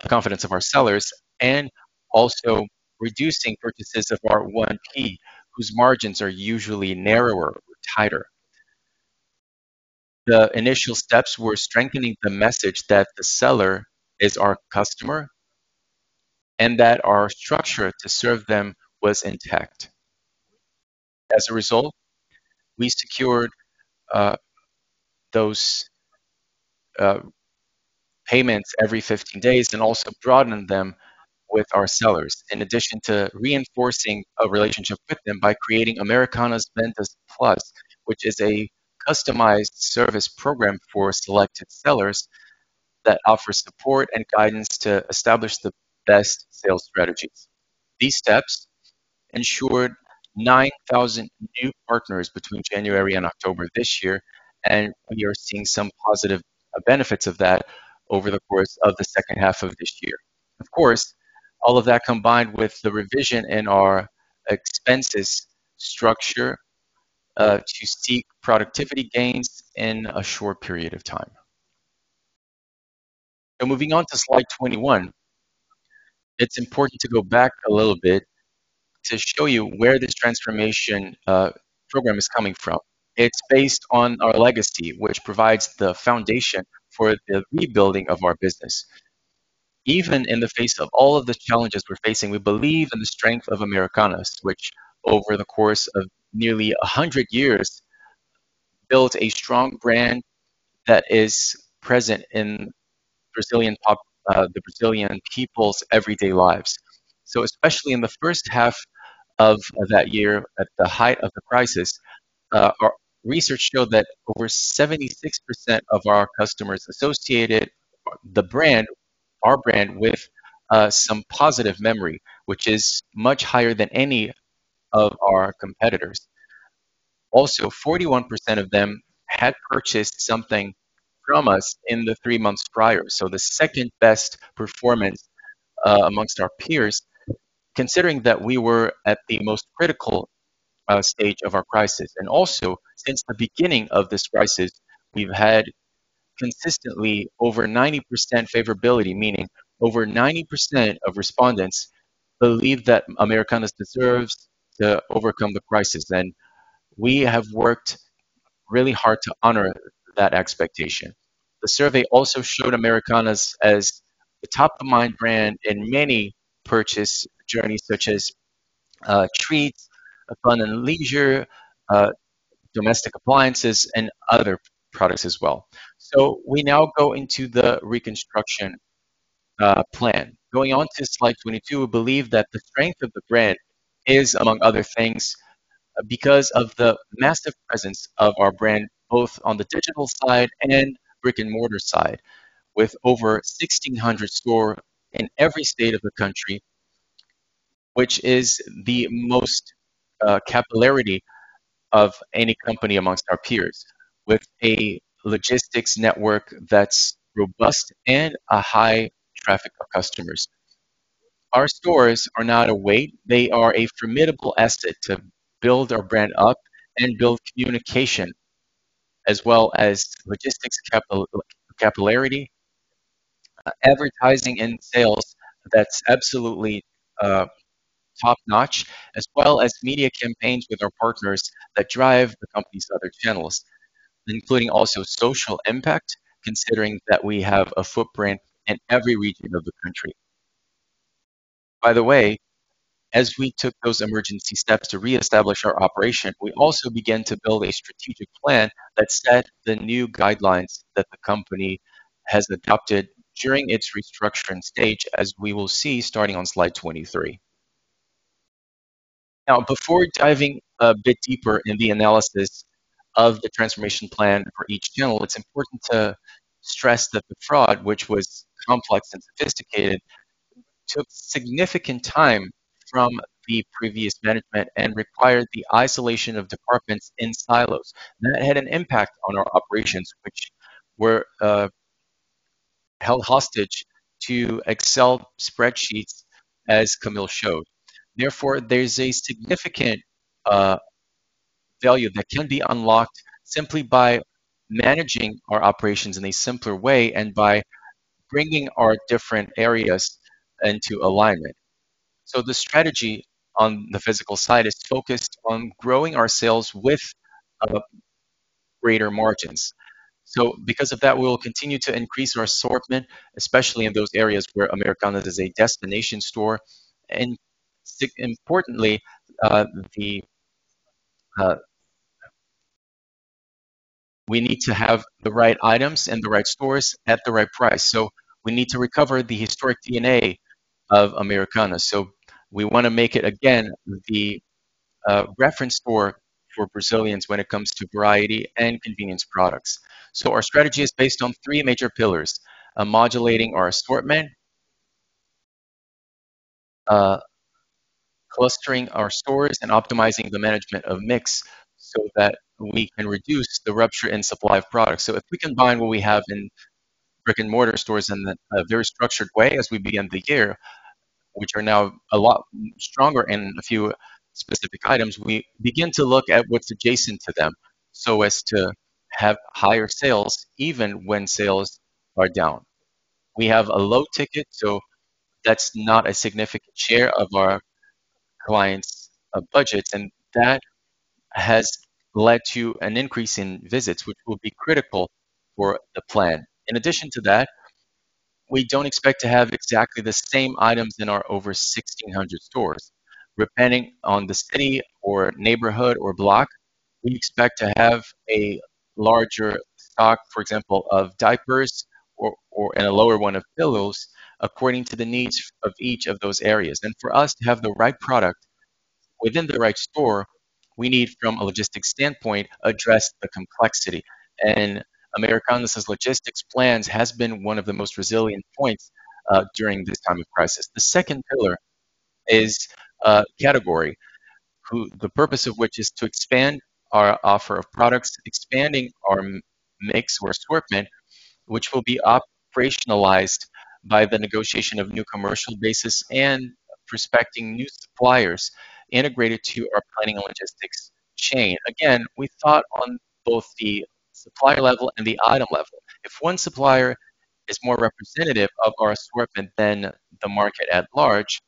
confidence of our sellers, and also reducing purchases of our 1P, whose margins are usually narrower or tighter. The initial steps were strengthening the message that the seller is our customer and that our structure to serve them was intact. As a result, we secured those payments every 15 days and also broadened them with our sellers, in addition to reinforcing a relationship with them by creating Americanas Venda+, which is a customized service program for selected sellers that offers support and guidance to establish the best sales strategies. These steps ensured 9,000 new partners between January and October this year, and we are seeing some positive benefits of that over the course of the second half of this year. Of course, all of that combined with the revision in our expenses structure to seek productivity gains in a short period of time. Moving on to slide 21, it's important to go back a little bit to show you where this transformation program is coming from. It's based on our legacy, which provides the foundation for the rebuilding of our business. Even in the face of all of the challenges we're facing, we believe in the strength of Americanas, which over the course of nearly 100 years, built a strong brand that is present in the Brazilian people's everyday lives. So especially in the first half of that year, at the height of the crisis, our research showed that over 76% of our customers associated the brand, our brand, with some positive memory, which is much higher than any of our competitors. Also, 41% of them had purchased something from us in the three months prior, so the second-best performance amongst our peers, considering that we were at the most critical stage of our crisis. And also, since the beginning of this crisis, we've had consistently over 90% favorability, meaning over 90% of respondents believe that Americanas deserves to overcome the crisis, and we have worked really hard to honor that expectation. The survey also showed Americanas as the top-of-mind brand in many purchase journeys, such as treats, fun and leisure, domestic appliances, and other products as well. So we now go into the reconstruction plan. Going on to slide 22, we believe that the strength of the brand is, among other things, because of the massive presence of our brand, both on the digital side and brick-and-mortar side, with over 1,600 stores in every state of the country, which is the most capillarity of any company amongst our peers, with a logistics network that's robust and a high traffic of customers. Our stores are not a weight. They are a formidable asset to build our brand up and build communication, as well as logistics capillarity, advertising and sales that's absolutely top-notch, as well as media campaigns with our partners that drive the company's other channels.... including also social impact, considering that we have a footprint in every region of the country. By the way, as we took those emergency steps to reestablish our operation, we also began to build a strategic plan that set the new guidelines that the company has adopted during its restructuring stage, as we will see starting on slide 23. Now, before diving a bit deeper in the analysis of the transformation plan for each channel, it's important to stress that the fraud, which was complex and sophisticated, took significant time from the previous management and required the isolation of departments in silos. That had an impact on our operations, which were held hostage to Excel spreadsheets, as Camille showed. Therefore, there's a significant value that can be unlocked simply by managing our operations in a simpler way and by bringing our different areas into alignment. The strategy on the physical side is focused on growing our sales with greater margins. So because of that, we will continue to increase our assortment, especially in those areas where Americanas is a destination store. And importantly, we need to have the right items in the right stores at the right price. So we need to recover the historic DNA of Americanas. So we want to make it again the reference store for Brazilians when it comes to variety and convenience products. So our strategy is based on three major pillars: modulating our assortment, clustering our stores, and optimizing the management of mix so that we can reduce the rupture in supply of products. If we combine what we have in brick-and-mortar stores in a very structured way as we begin the year, which are now a lot stronger in a few specific items, we begin to look at what's adjacent to them, so as to have higher sales, even when sales are down. We have a low ticket, so that's not a significant share of our clients' budgets, and that has led to an increase in visits, which will be critical for the plan. In addition to that, we don't expect to have exactly the same items in our over 1,600 stores. Depending on the city or neighborhood or block, we expect to have a larger stock, for example, of diapers or and a lower one of pillows, according to the needs of each of those areas. For us to have the right product within the right store, we need, from a logistics standpoint, address the complexity. Americanas' logistics plans has been one of the most resilient points during this time of crisis. The second pillar is category, the purpose of which is to expand our offer of products, expanding our mix or assortment, which will be operationalized by the negotiation of new commercial basis and prospecting new suppliers integrated to our planning and logistics chain. Again, we thought on both the supplier level and the item level. If one supplier is more representative of our assortment than the market at large,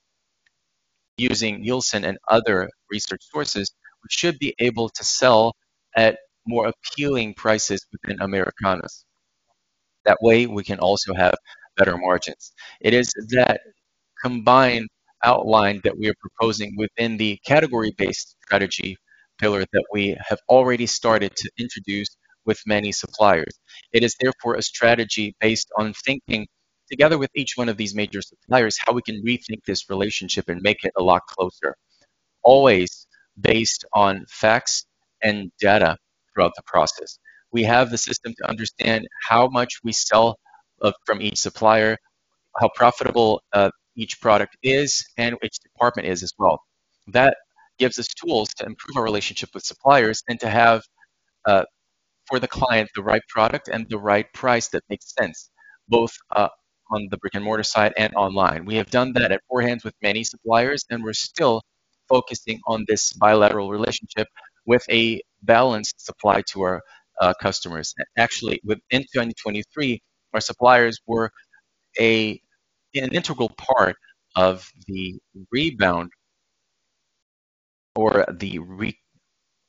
using Nielsen and other research sources, we should be able to sell at more appealing prices within Americanas. That way, we can also have better margins. It is that combined outline that we are proposing within the category-based strategy pillar that we have already started to introduce with many suppliers. It is therefore a strategy based on thinking together with each one of these major suppliers, how we can rethink this relationship and make it a lot closer, always based on facts and data throughout the process. We have the system to understand how much we sell, from each supplier, how profitable, each product is, and which department it is as well. That gives us tools to improve our relationship with suppliers and to have, for the client, the right product and the right price that makes sense, both, on the brick-and-mortar side and online. We have done that aforehand with many suppliers, and we're still focusing on this bilateral relationship with a balanced supply to our, customers. Actually, within 2023, our suppliers were an integral part of the rebound or the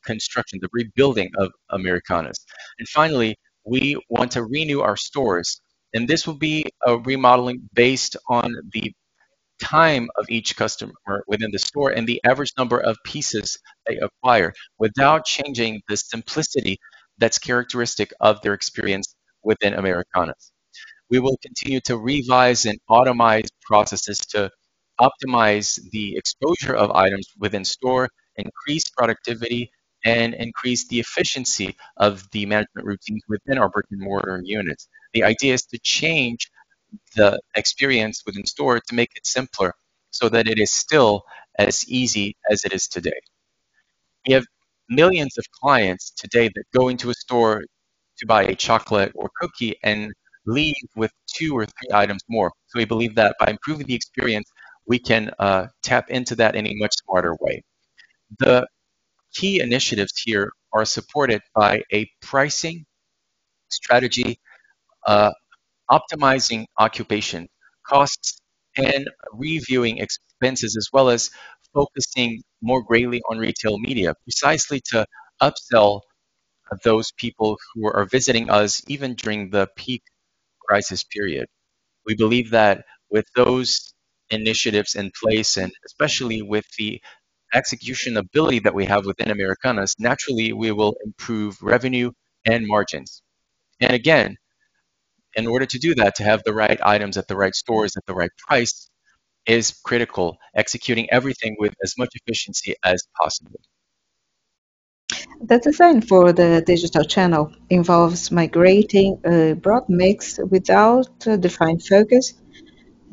reconstruction, the rebuilding of Americanas. And finally, we want to renew our stores, and this will be a remodeling based on the time of each customer within the store and the average number of pieces they acquire, without changing the simplicity that's characteristic of their experience within Americanas. We will continue to revise and automate processes to optimize the exposure of items within store, increase productivity, and increase the efficiency of the management routines within our brick-and-mortar units. The idea is to change the experience within store to make it simpler, so that it is still as easy as it is today. We have millions of clients today that go into a store to buy a chocolate or cookie and leave with two or three items more. We believe that by improving the experience, we can tap into that in a much smarter way. The key initiatives here are supported by a pricing-... strategy, optimizing occupation costs and reviewing expenses, as well as focusing more greatly on retail media, precisely to upsell those people who are visiting us even during the peak crisis period. We believe that with those initiatives in place, and especially with the execution ability that we have within Americanas, naturally, we will improve revenue and margins. And again, in order to do that, to have the right items at the right stores, at the right price, is critical, executing everything with as much efficiency as possible. The design for the digital channel involves migrating a broad mix without a defined focus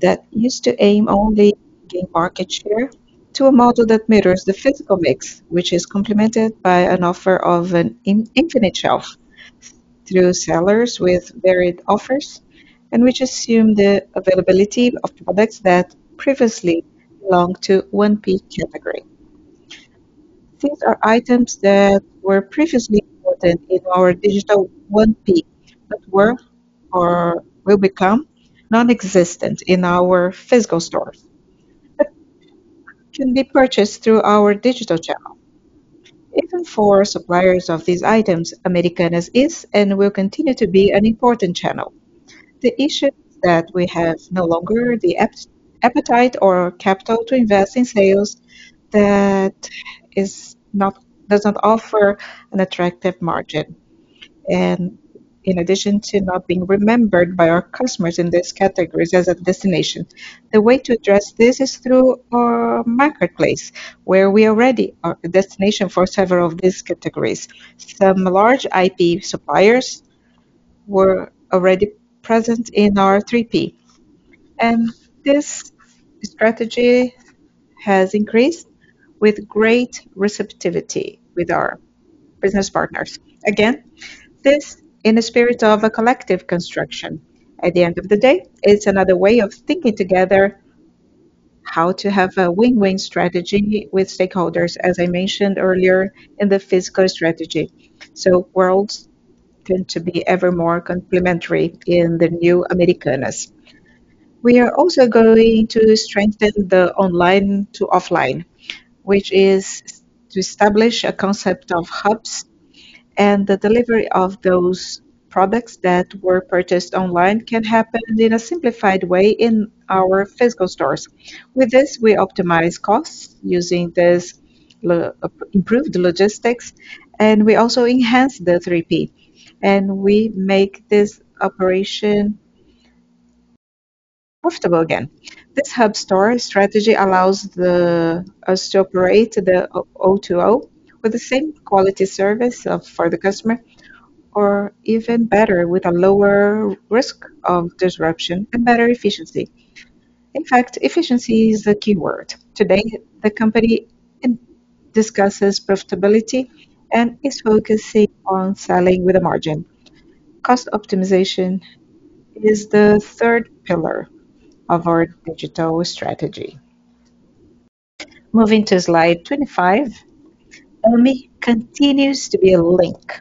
that used to aim only gain market share to a model that mirrors the physical mix, which is complemented by an offer of an infinite shelf through sellers with varied offers, and which assume the availability of products that previously belonged to one peak category. These are items that were previously important in our digital 1P, but were or will become non-existent in our physical stores, but can be purchased through our digital channel. Even for suppliers of these items, Americanas is and will continue to be an important channel. The issue is that we have no longer the appetite or capital to invest in sales that doesn't offer an attractive margin. And in addition to not being remembered by our customers in these categories as a destination, the way to address this is through our marketplace, where we are ready, are a destination for several of these categories. Some large 1P suppliers were already present in our 3P. And this strategy has increased with great receptivity with our business partners. Again, this in the spirit of a collective construction. At the end of the day, it's another way of thinking together, how to have a win-win strategy with stakeholders, as I mentioned earlier, in the physical strategy. So worlds tend to be ever more complementary in the new Americanas. We are also going to strengthen the online-to-offline, which is to establish a concept of hubs, and the delivery of those products that were purchased online can happen in a simplified way in our physical stores. With this, we optimize costs using this improved logistics, and we also enhance the 3P, and we make this operation profitable again. This hub store strategy allows us to operate the O2O with the same quality service for the customer, or even better, with a lower risk of disruption and better efficiency. In fact, efficiency is the keyword. Today, the company discusses profitability and is focusing on selling with a margin. Cost optimization is the third pillar of our digital strategy. Moving to slide 25. Ame continues to be a link,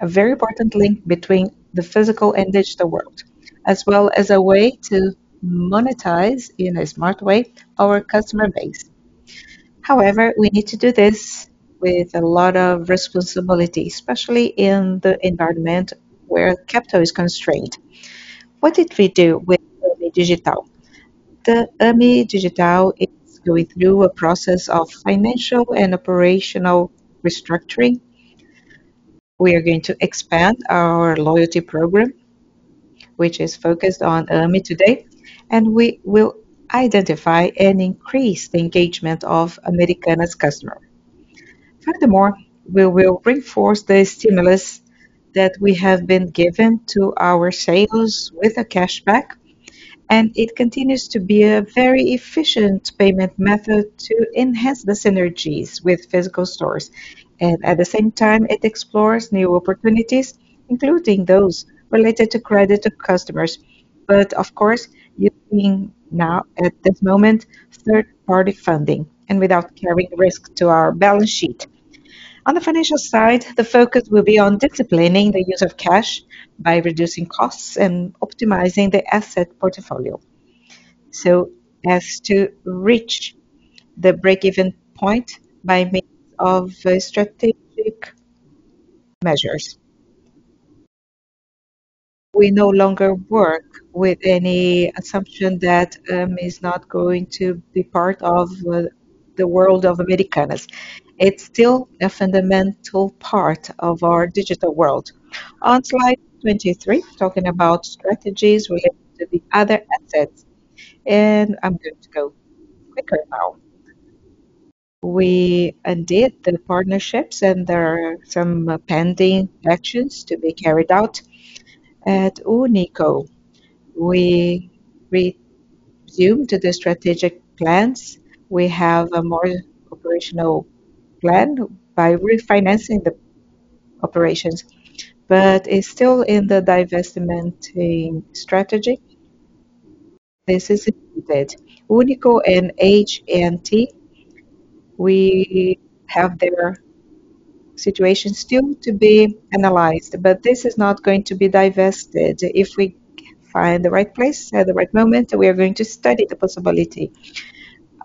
a very important link between the physical and digital world, as well as a way to monetize in a smart way our customer base. However, we need to do this with a lot of responsibility, especially in the environment where capital is constrained. What did we do with Ame Digital? The Ame Digital is going through a process of financial and operational restructuring. We are going to expand our loyalty program, which is focused on Ame today, and we will identify and increase the engagement of Americanas customer. Furthermore, we will reinforce the stimulus that we have been given to our sales with a cashback, and it continues to be a very efficient payment method to enhance the synergies with physical stores. And at the same time, it explores new opportunities, including those related to credit of customers. But of course, using now, at this moment, third-party funding and without carrying risk to our balance sheet. On the financial side, the focus will be on disciplining the use of cash by reducing costs and optimizing the asset portfolio. So as to reach the break-even point by means of strategic measures. We no longer work with any assumption that is not going to be part of the world of Americanas. It's still a fundamental part of our digital world. On slide 23, talking about strategies related to the other assets, and I'm going to go quicker now. We undid the partnerships, and there are some pending actions to be carried out. At Unico, we resumed the strategic plans. We have a more operational plan by refinancing the operations, but it's still in the divestment strategy.... This is it. Unico and HNT, we have their situation still to be analyzed, but this is not going to be divested. If we find the right place at the right moment, we are going to study the possibility.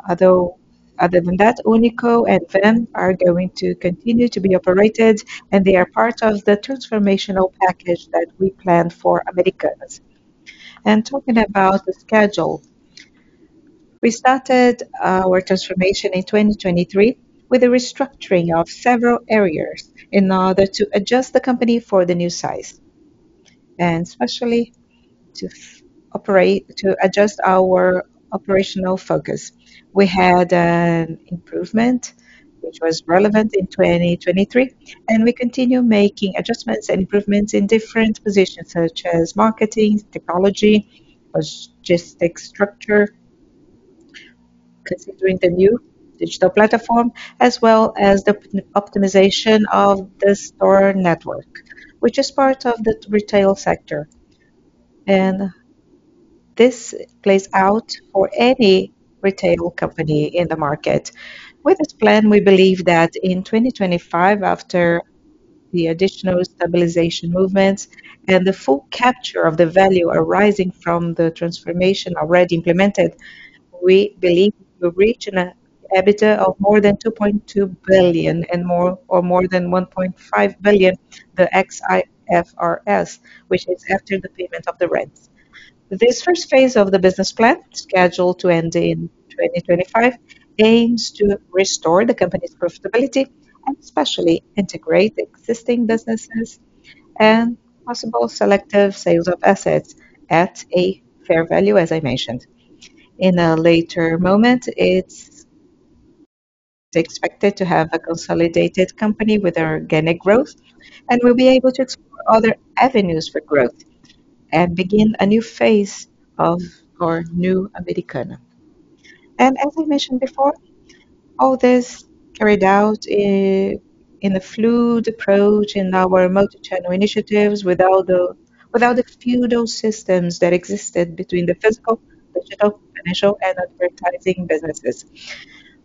Although other than that, Unico and Vem are going to continue to be operated, and they are part of the transformational package that we planned for Americanas. And talking about the schedule, we started our transformation in 2023 with a restructuring of several areas in order to adjust the company for the new size, and especially to operate-- to adjust our operational focus. We had an improvement, which was relevant in 2023, and we continue making adjustments and improvements in different positions such as marketing, technology, logistic structure, considering the new digital platform, as well as the optimization of the store network, which is part of the retail sector. And this plays out for any retail company in the market. With this plan, we believe that in 2025, after the additional stabilization movements and the full capture of the value arising from the transformation already implemented, we believe we'll reach an EBITDA of more than 2.2 billion and more or more than 1.5 billion, the ex-IFRS, which is after the payment of the rents. This first phase of the business plan, scheduled to end in 2025, aims to restore the company's profitability and especially integrate existing businesses and possible selective sales of assets at a fair value, as I mentioned. In a later moment, it's expected to have a consolidated company with organic growth, and we'll be able to explore other avenues for growth and begin a new phase of our new Americanas. As we mentioned before, all this carried out in a fluid approach in our multi-channel initiatives, without the feudal systems that existed between the physical, digital, financial, and advertising businesses.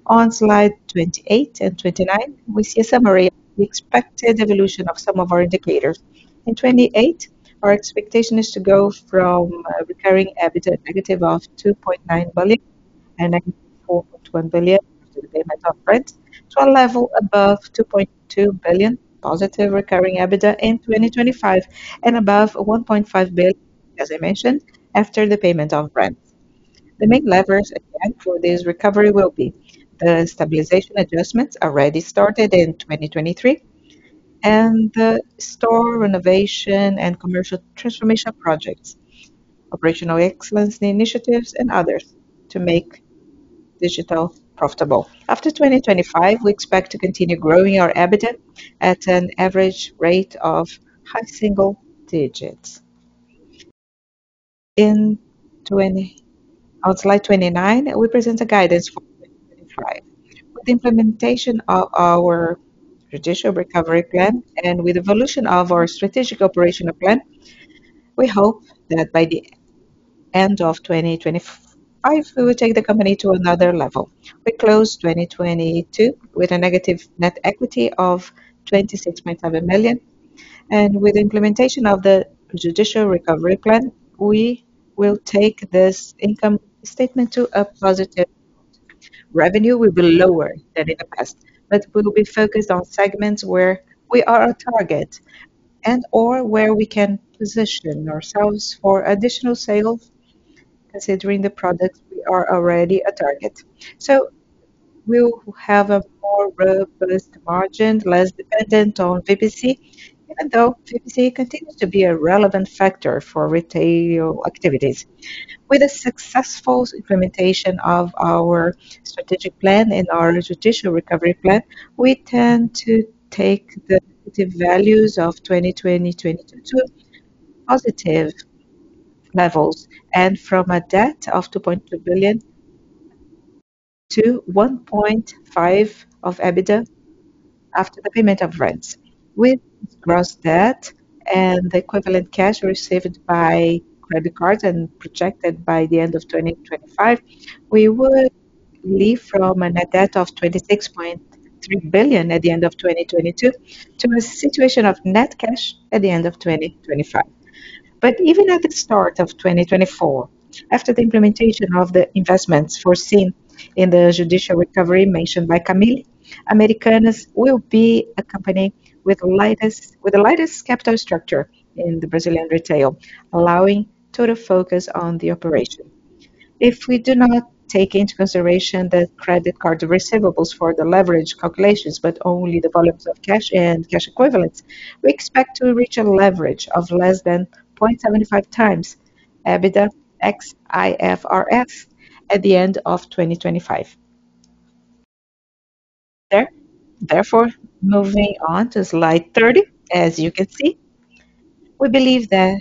On slide 28 and 29, we see a summary of the expected evolution of some of our indicators. In 2028, our expectation is to go from a recurring EBITDA negative of 2.9 billion and -4.1 billion to the payment of rent, to a level above 2.2 billion positive recurring EBITDA in 2025 and above 1.5 billion, as I mentioned, after the payment of rent. The main levers again for this recovery will be the stabilization adjustments already started in 2023, and the store renovation and commercial transformation projects, operational excellence initiatives, and others to make digital profitable. After 2025, we expect to continue growing our EBITDA at an average rate of high single digits. On slide 29, we present a guidance for 2025. With the implementation of our judicial recovery plan and with the evolution of our strategic operational plan, we hope that by the end of 2025, we will take the company to another level. We closed 2022 with a negative net equity of 26.5 million, and with the implementation of the judicial recovery plan, we will take this income statement to a positive. Revenue will be lower than in the past, but we will be focused on segments where we are on target and/or where we can position ourselves for additional sales, considering the products we are already a target. So we'll have a more robust margin, less dependent on PPC, even though PPC continues to be a relevant factor for retail activities. With the successful implementation of our strategic plan and our judicial recovery plan, we tend to take the negative values of 2020, 2022 to positive levels, and from a debt of 2.2 billion to 1.5 billion of EBITDA after the payment of rents. With gross debt and the equivalent cash received by credit cards and projected by the end of 2025, we will leave from a net debt of 26.3 billion at the end of 2022 to a situation of net cash at the end of 2025. But even at the start of 2024, after the implementation of the investments foreseen in the judicial recovery mentioned by Camille, Americanas will be a company with the lightest capital structure in the Brazilian retail, allowing total focus on the operation. If we do not take into consideration the credit card receivables for the leverage calculations, but only the volumes of cash and cash equivalents, we expect to reach a leverage of less than 0.75x EBITDA ex-IFRS at the end of 2025. Therefore, moving on to slide 30. As you can see, we believe that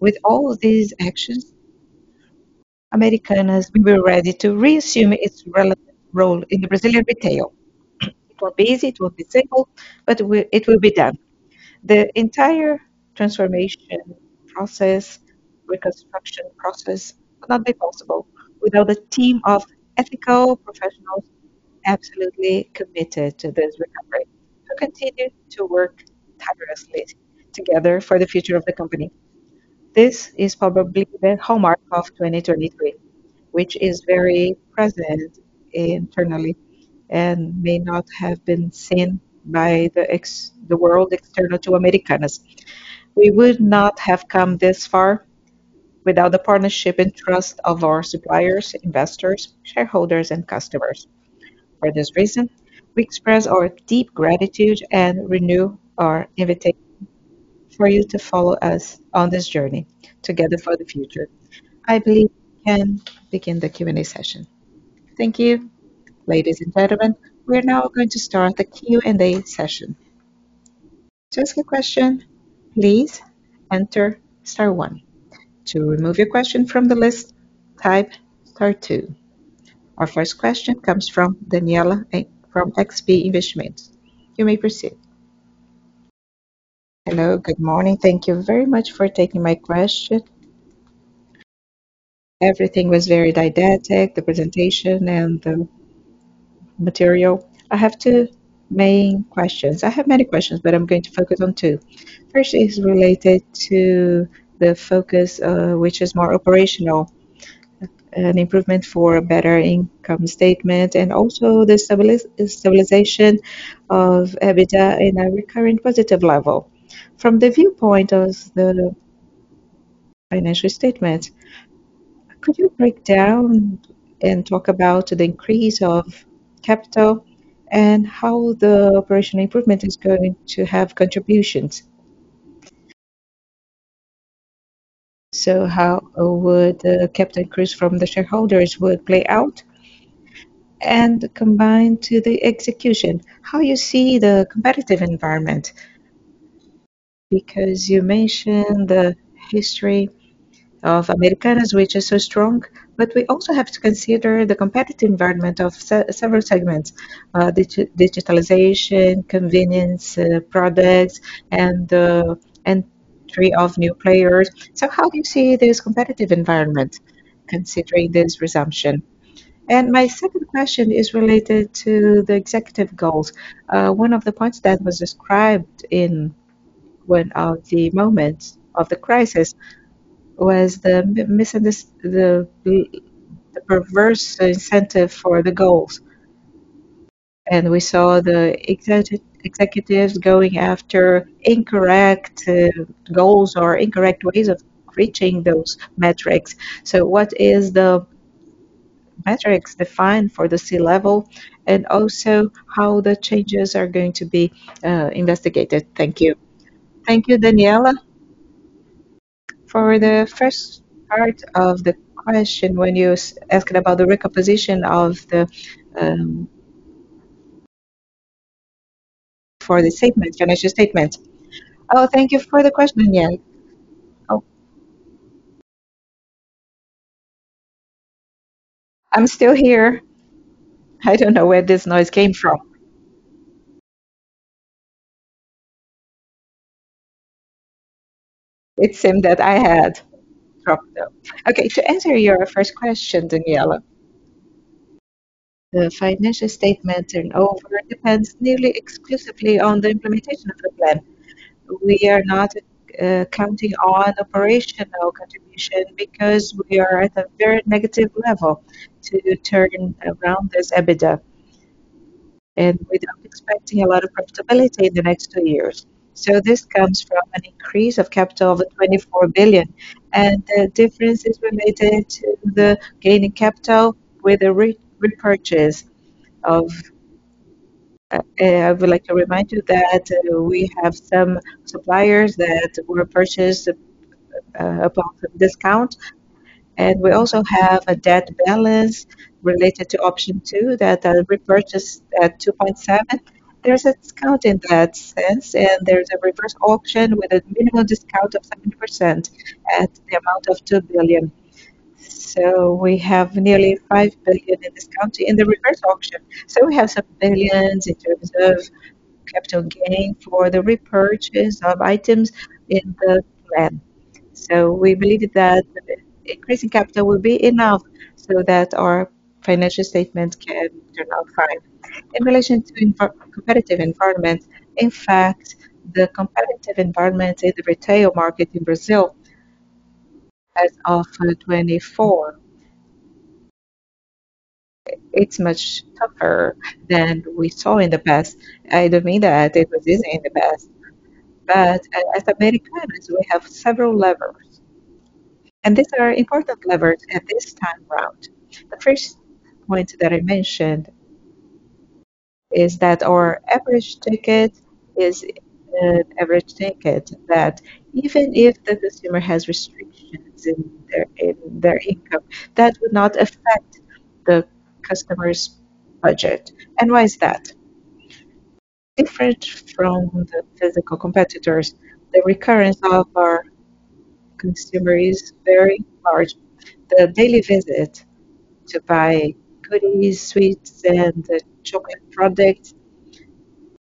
with all these actions, Americanas will be ready to resume its relevant role in the Brazilian retail.... It will be easy, it will be simple, but it will be done. The entire transformation process, reconstruction process, could not be possible without the team of ethical professionals absolutely committed to this recovery, who continued to work tirelessly together for the future of the company. This is probably the hallmark of 2023, which is very present internally and may not have been seen by the external world to Americanas. We would not have come this far without the partnership and trust of our suppliers, investors, shareholders, and customers. For this reason, we express our deep gratitude and renew our invitation for you to follow us on this journey together for the future. I believe we can begin the Q&A session. Thank you. Ladies and gentlemen, we are now going to start the Q&A session. To ask a question, please enter star one. To remove your question from the list, type star two. Our first question comes from Danniela from XP Investimentos. You may proceed. Hello, good morning. Thank you very much for taking my question. Everything was very didactic, the presentation and the material. I have two main questions. I have many questions, but I'm going to focus on two. First is related to the focus, which is more operational, an improvement for better income statement, and also the stabilization of EBITDA in a recurring positive level. From the viewpoint of the financial statement, could you break down and talk about the increase of capital and how the operational improvement is going to have contributions? So how would the capital increase from the shareholders would play out and combine to the execution? How you see the competitive environment? Because you mentioned the history of Americanas, which is so strong, but we also have to consider the competitive environment of several segments, digitalization, convenience, products, and the entry of new players. So how do you see this competitive environment considering this resumption? And my second question is related to the executive goals. One of the points that was described in one of the moments of the crisis was the perverse incentive for the goals. And we saw the executives going after incorrect goals or incorrect ways of reaching those metrics. So what is the metrics defined for the C-level, and also how the changes are going to be investigated? Thank you. Thank you, Danniela. For the first part of the question, when you're asking about the recomposition of the financial statement... Oh, thank you for the question again. Oh. I'm still here. I don't know where this noise came from. It seemed that I had dropped out. Okay, to answer your first question, Danniela, the financial statement turn over depends nearly exclusively on the implementation of the plan. We are not counting on operational contribution because we are at a very negative level to turn around this EBITDA, and we're not expecting a lot of profitability in the next two years. So this comes from an increase of capital of 24 billion, and the differences related to the gain in capital with a repurchase of-- I would like to remind you that we have some suppliers that were purchased upon discount, and we also have a debt balance related to option 2, that repurchase at 2.7. There's a discount in that sense, and there's a reverse auction with a minimal discount of 7% at the amount of 2 billion. So we have nearly 5 billion in discount in the reverse auction. So we have some billions in terms of capital gain for the repurchase of items in the plan. So we believe that increasing capital will be enough so that our financial statements can turn out fine. In relation to the competitive environment, in fact, the competitive environment in the retail market in Brazil, as of 2024, it's much tougher than we saw in the past. I don't mean that it was easy in the past, but as Americanas, we have several levers, and these are important levers at this time around. The first point that I mentioned is that our average ticket is an average ticket, that even if the consumer has restrictions in their, in their income, that would not affect the customer's budget. And why is that? Different from the physical competitors, the recurrence of our consumer is very large. The daily visit to buy goodies, sweets, and chocolate products,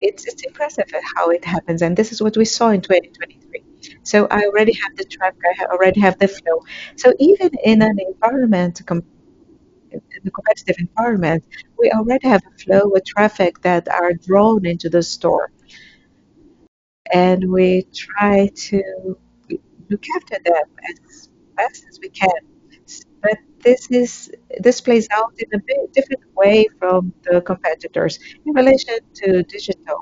it's impressive how it happens, and this is what we saw in 2023. So I already have the traffic, I already have the flow. So even in an environment in a competitive environment, we already have a flow of traffic that are drawn into the store, and we try to look after them as best as we can. But this plays out in a big different way from the competitors. In relation to digital,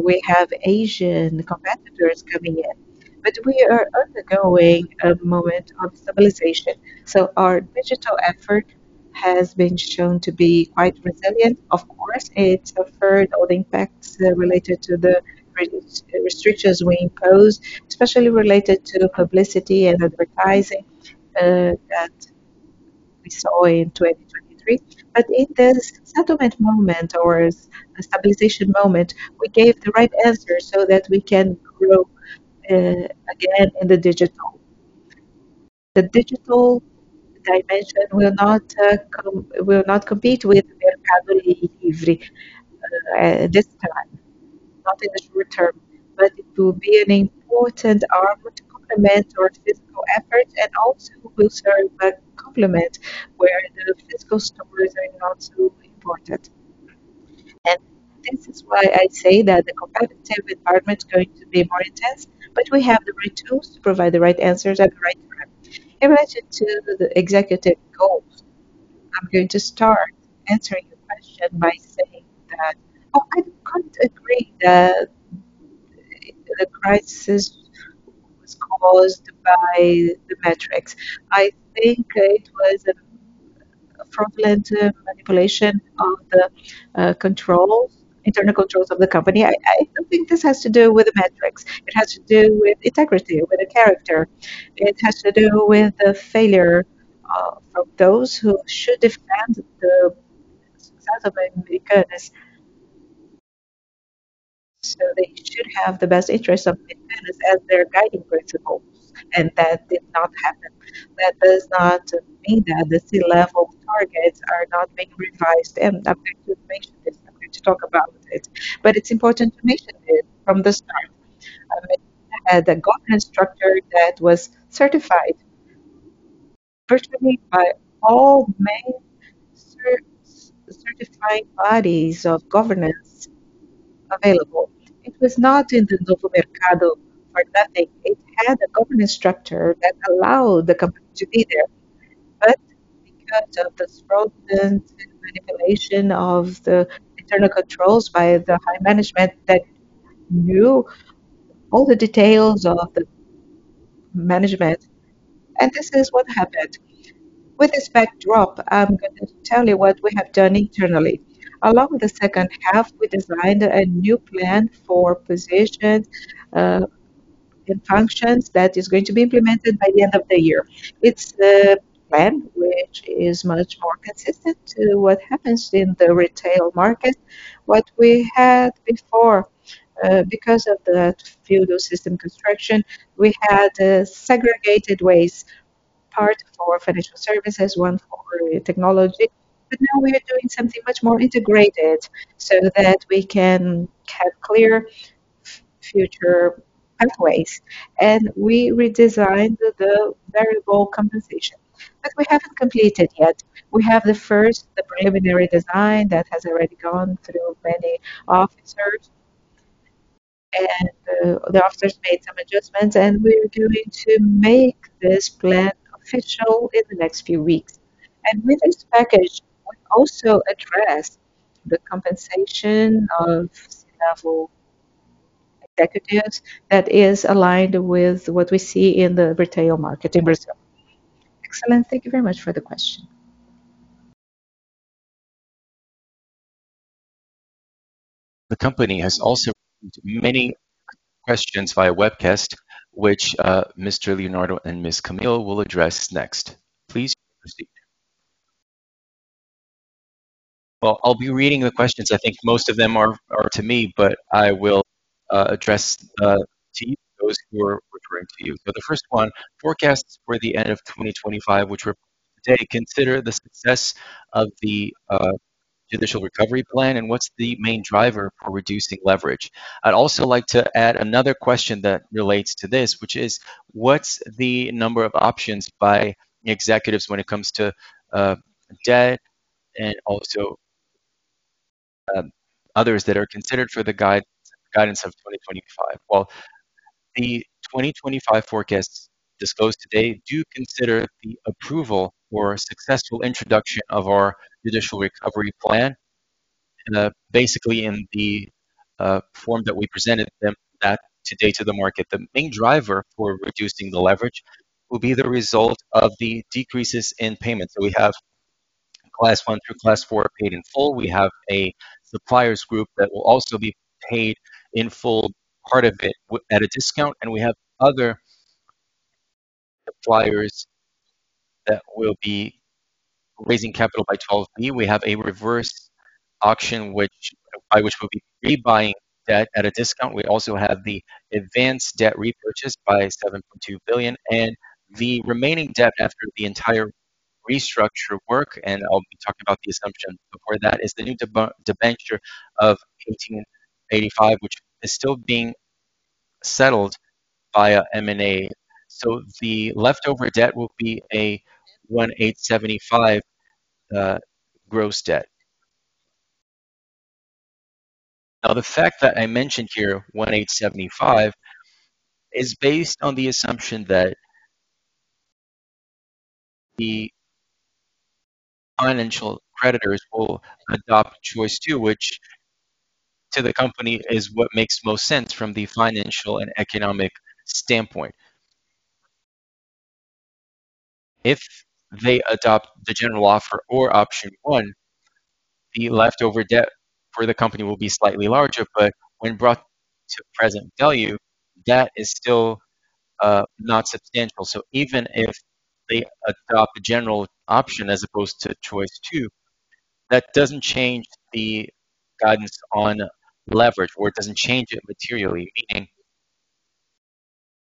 we have Asian competitors coming in, but we are undergoing a moment of stabilization. So our digital effort has been shown to be quite resilient. Of course, it suffered all the impacts related to the restrictions we imposed, especially related to publicity and advertising, that we saw in 2023. But in this settlement moment or stabilization moment, we gave the right answer so that we can grow again in the digital. The digital dimension will not, com... Will not compete with Mercado Livre, this time, not in the short term, but it will be an important arm to complement our physical effort and also will serve a complement where the physical stores are not so important. This is why I say that the competitive environment is going to be more intense, but we have the right tools to provide the right answers at the right time. In relation to the executive goals, I'm going to start answering your question by saying that I couldn't agree that the crisis was caused by the metrics. I think it was a fraudulent manipulation of the controls, internal controls of the company. I, I don't think this has to do with the metrics. It has to do with integrity, with the character. It has to do with the failure of those who should defend the success of the business. So they should have the best interest of the business as their guiding principle, and that did not happen. That does not mean that the C-level targets are not being revised, and I'm going to mention this. I'm going to talk about it. But it's important to mention it from the start. It had a governance structure that was certified personally by all main certifying bodies of governance available. It was not in the Novo Mercado for nothing. It had a governance structure that allowed the company to be there. But because of the fraudulent manipulation of the internal controls by the high management that knew all the details of the management, and this is what happened. With this backdrop, I'm going to tell you what we have done internally. Along with the second half, we designed a new plan for positions and functions that is going to be implemented by the end of the year. It's a plan which is much more consistent to what happens in the retail market. What we had before, because of the feudal system construction, we had segregated ways, part for financial services, one for technology, but now we are doing something much more integrated so that we can have clear future pathways. We redesigned the variable compensation. But we haven't completed yet. We have the first, the preliminary design that has already gone through many officers, and the officers made some adjustments, and we're going to make this plan official in the next few weeks. With this package, we also address the compensation of senior level executives that is aligned with what we see in the retail market in Brazil. Excellent. Thank you very much for the question. The company has also many questions via webcast, which, Mr. Leonardo and Ms. Camille will address next. Please proceed. Well, I'll be reading the questions. I think most of them are to me, but I will address to you those who are referring to you. So the first one: forecasts for the end of 2025, which were... Today, consider the success of the judicial recovery plan, and what's the main driver for reducing leverage? I'd also like to add another question that relates to this, which is: What's the number of options by executives when it comes to debt and also others that are considered for the guide-guidance of 2025? Well, the 2025 forecasts disclosed today do consider the approval or successful introduction of our judicial recovery plan, basically in the form that we presented them that today to the market. The main driver for reducing the leverage will be the result of the decreases in payments. So we have class 1 through class 4 paid in full. We have a suppliers group that will also be paid in full, part of it at a discount, and we have other suppliers that we'll be raising capital by 12 billion. We have a reverse auction, by which we'll be rebuying debt at a discount. We also have the advanced debt repurchase by 7.2 billion, and the remaining debt after the entire restructure work, and I'll be talking about the assumption before that, is the new debenture of 1,885, which is still being settled via M&A. So the leftover debt will be a 1,875, gross debt. Now, the fact that I mentioned here, 1,875, is based on the assumption that the financial creditors will adopt choice two, which to the company is what makes most sense from the financial and economic standpoint. If they adopt the general offer or option 1, the leftover debt for the company will be slightly larger, but when brought to present value, that is still not substantial. So even if they adopt the general option as opposed to choice two, that doesn't change the guidance on leverage, or it doesn't change it materially, meaning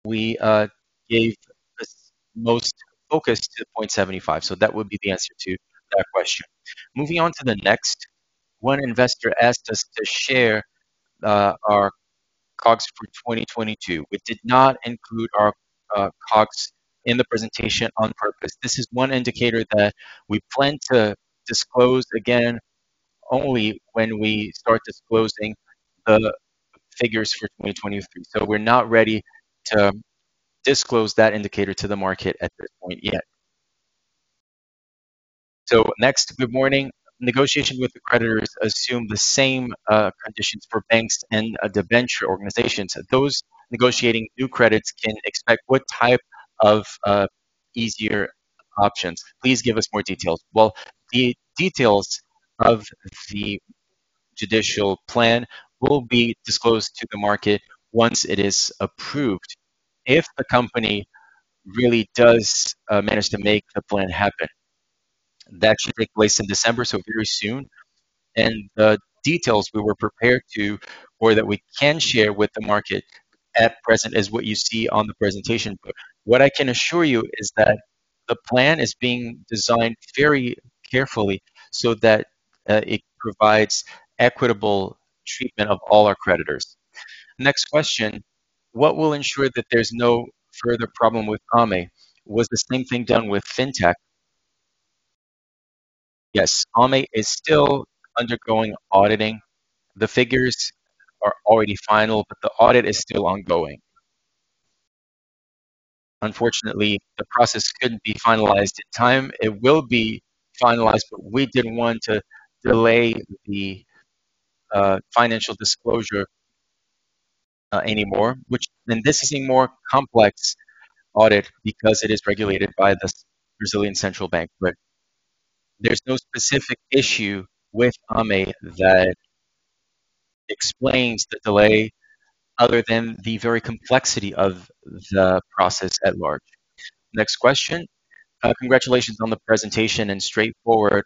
we gave the most focus to 0.75. So that would be the answer to that question. Moving on to the next. One investor asked us to share our COGS for 2022. We did not include our COGS in the presentation on purpose. This is one indicator that we plan to disclose again, only when we start disclosing the figures for 2023. So we're not ready to disclose that indicator to the market at this point yet. So next, good morning. Negotiation with the creditors assume the same conditions for banks and debenture organizations. Those negotiating new credits can expect what type of easier options? Please give us more details. Well, the details of the judicial plan will be disclosed to the market once it is approved, if the company really does manage to make the plan happen. That should take place in December, so very soon, and the details we were prepared to, or that we can share with the market at present, is what you see on the presentation. But what I can assure you is that the plan is being designed very carefully so that it provides equitable treatment of all our creditors. Next question: What will ensure that there's no further problem with Ame? Was the same thing done with fintech? Yes, Ame is still undergoing auditing. The figures are already final, but the audit is still ongoing. Unfortunately, the process couldn't be finalized in time. It will be finalized, but we didn't want to delay the financial disclosure anymore, which... This is a more complex audit because it is regulated by the Brazilian Central Bank, but there's no specific issue with Ame that explains the delay other than the very complexity of the process at large. Next question. Congratulations on the presentation and straightforward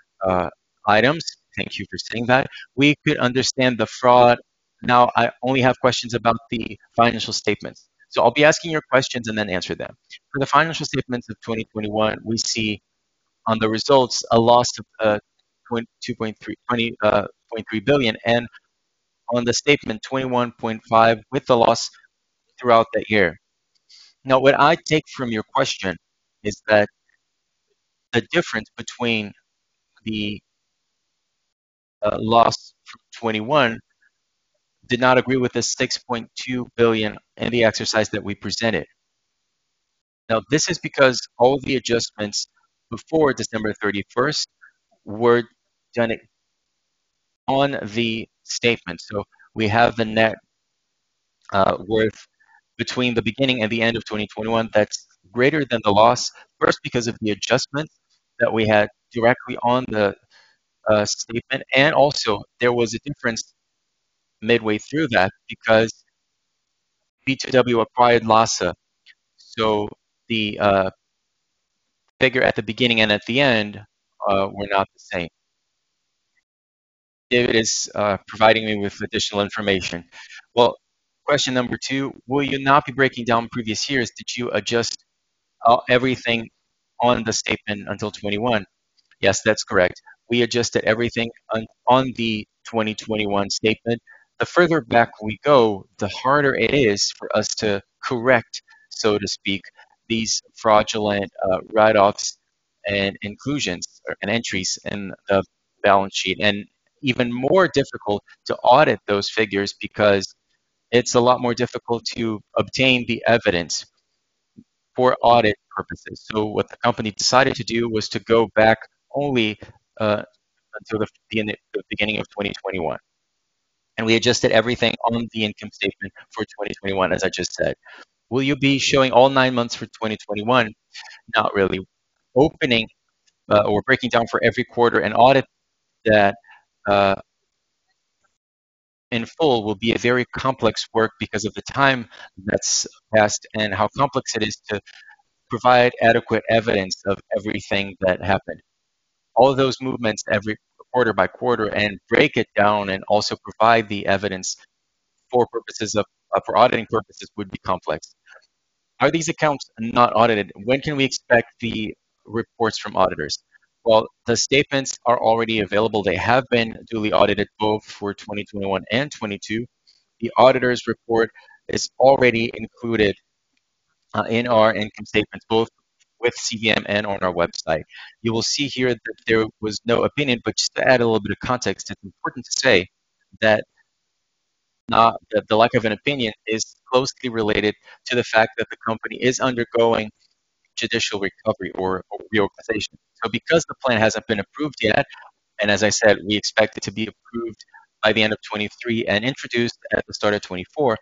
items. Thank you for saying that. We could understand the fraud. Now, I only have questions about the financial statements, so I'll be asking you questions and then answer them. For the financial statements of 2021, we see on the results a loss of 20.3 billion, and on the statement, 21.5 billion with the loss throughout the year. Now, what I take from your question is that the difference between the loss for 2021 did not agree with the 6.2 billion and the exercise that we presented. Now, this is because all the adjustments before December 31 were done on the statement. So we have the net worth between the beginning and the end of 2021 that's greater than the loss. First, because of the adjustment that we had directly on the statement, and also there was a difference midway through that because B2W acquired LASA. So the figure at the beginning and at the end were not the same. David is providing me with additional information. Well, question number two: Will you not be breaking down previous years? Did you adjust everything on the statement until 2021? Yes, that's correct. We adjusted everything on the 2021 statement. The further back we go, the harder it is for us to correct, so to speak, these fraudulent write-offs and inclusions and entries in the balance sheet, and even more difficult to audit those figures, because it's a lot more difficult to obtain the evidence for audit purposes. So what the company decided to do was to go back only until the beginning of 2021, and we adjusted everything on the income statement for 2021, as I just said. Will you be showing all nine months for 2021? Not really. Opening or breaking down for every quarter an audit that in full will be a very complex work because of the time that's passed and how complex it is to provide adequate evidence of everything that happened. All those movements, every quarter by quarter, and break it down and also provide the evidence for purposes of, for auditing purposes, would be complex. Are these accounts not audited? When can we expect the reports from auditors? Well, the statements are already available. They have been duly audited, both for 2021 and 2022. The auditor's report is already included in our income statements, both with CVM and on our website. You will see here that there was no opinion, but just to add a little bit of context, it's important to say that the lack of an opinion is closely related to the fact that the company is undergoing judicial recovery or reorganization. Because the plan hasn't been approved yet, and as I said, we expect it to be approved by the end of 2023 and introduced at the start of 2024,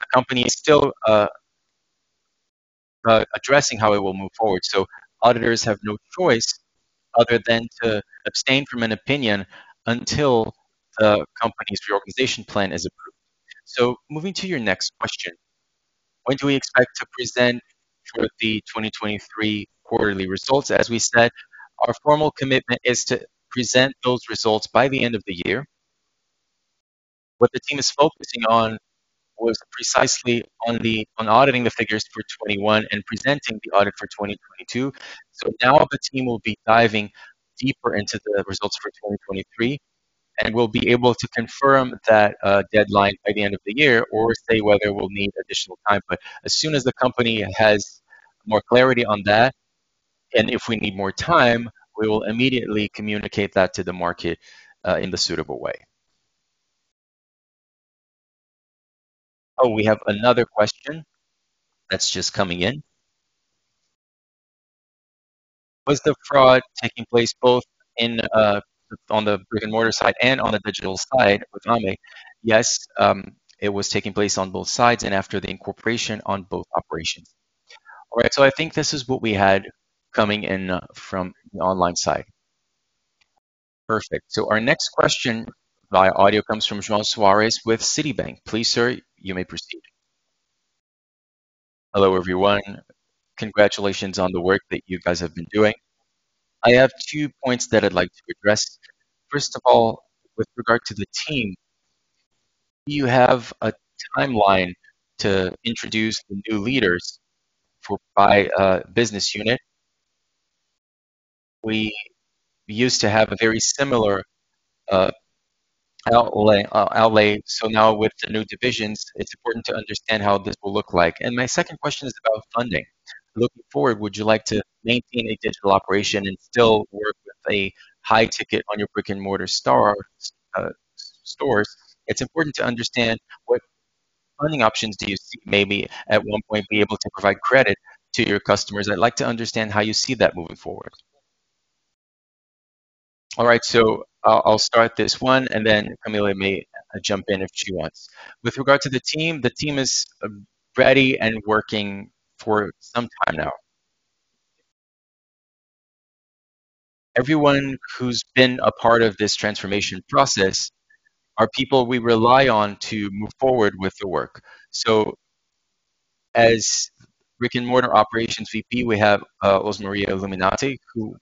the company is still addressing how it will move forward. Auditors have no choice other than to abstain from an opinion until the company's reorganization plan is approved. Moving to your next question, when do we expect to present the 2023 quarterly results? As we said, our formal commitment is to present those results by the end of the year. What the team is focusing on was precisely on auditing the figures for 2021 and presenting the audit for 2022. So now the team will be diving deeper into the results for 2023, and we'll be able to confirm that deadline by the end of the year or say whether we'll need additional time. But as soon as the company has more clarity on that, and if we need more time, we will immediately communicate that to the market in the suitable way. Oh, we have another question that's just coming in. Was the fraud taking place both in on the brick-and-mortar side and on the digital side with Ame? Yes, it was taking place on both sides and after the incorporation on both operations. All right, so I think this is what we had coming in from the online side. Perfect. So our next question via audio comes from João Soares with Citibank. Please, sir, you may proceed. Hello, everyone. Congratulations on the work that you guys have been doing. I have two points that I'd like to address. First of all, with regard to the team, do you have a timeline to introduce the new leaders for by business unit? We used to have a very similar layout, so now with the new divisions, it's important to understand how this will look like. My second question is about funding. Looking forward, would you like to maintain a digital operation and still work with a high ticket on your brick-and-mortar stores? It's important to understand what funding options do you see, maybe at one point be able to provide credit to your customers. I'd like to understand how you see that moving forward. All right, so I'll start this one, and then Camille may jump in if she wants. With regard to the team, the team is ready and working for some time now. Everyone who's been a part of this transformation process are people we rely on to move forward with the work. So as brick-and-mortar operations VP, we have Rosa Maria Limonta, who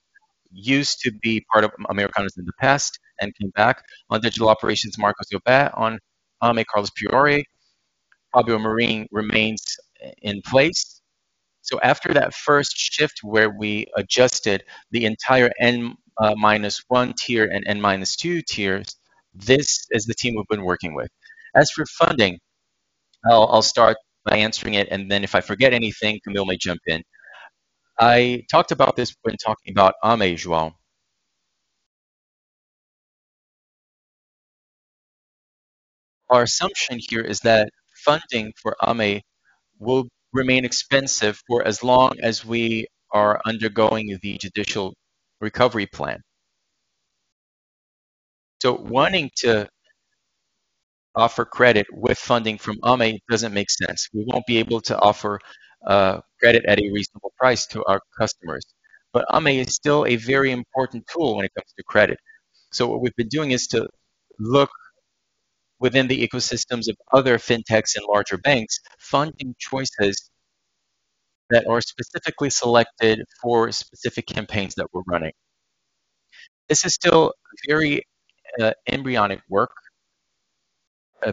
used to be part of Americanas in the past and came back. On digital operations, Marcos Llobet, on Ame, Carlos Priore. Fábio Marin remains in place. So after that first shift where we adjusted the entire N minus one tier and N minus two tiers, this is the team we've been working with. As for funding, I'll, I'll start by answering it, and then if I forget anything, Camille may jump in. I talked about this when talking about Ame, João. Our assumption here is that funding for Ame will remain expensive for as long as we are undergoing the judicial recovery plan. So wanting to offer credit with funding from Ame doesn't make sense. We won't be able to offer credit at a reasonable price to our customers. But Ame is still a very important tool when it comes to credit. So what we've been doing is to look within the ecosystems of other fintechs and larger banks, funding choices that are specifically selected for specific campaigns that we're running. This is still very embryonic work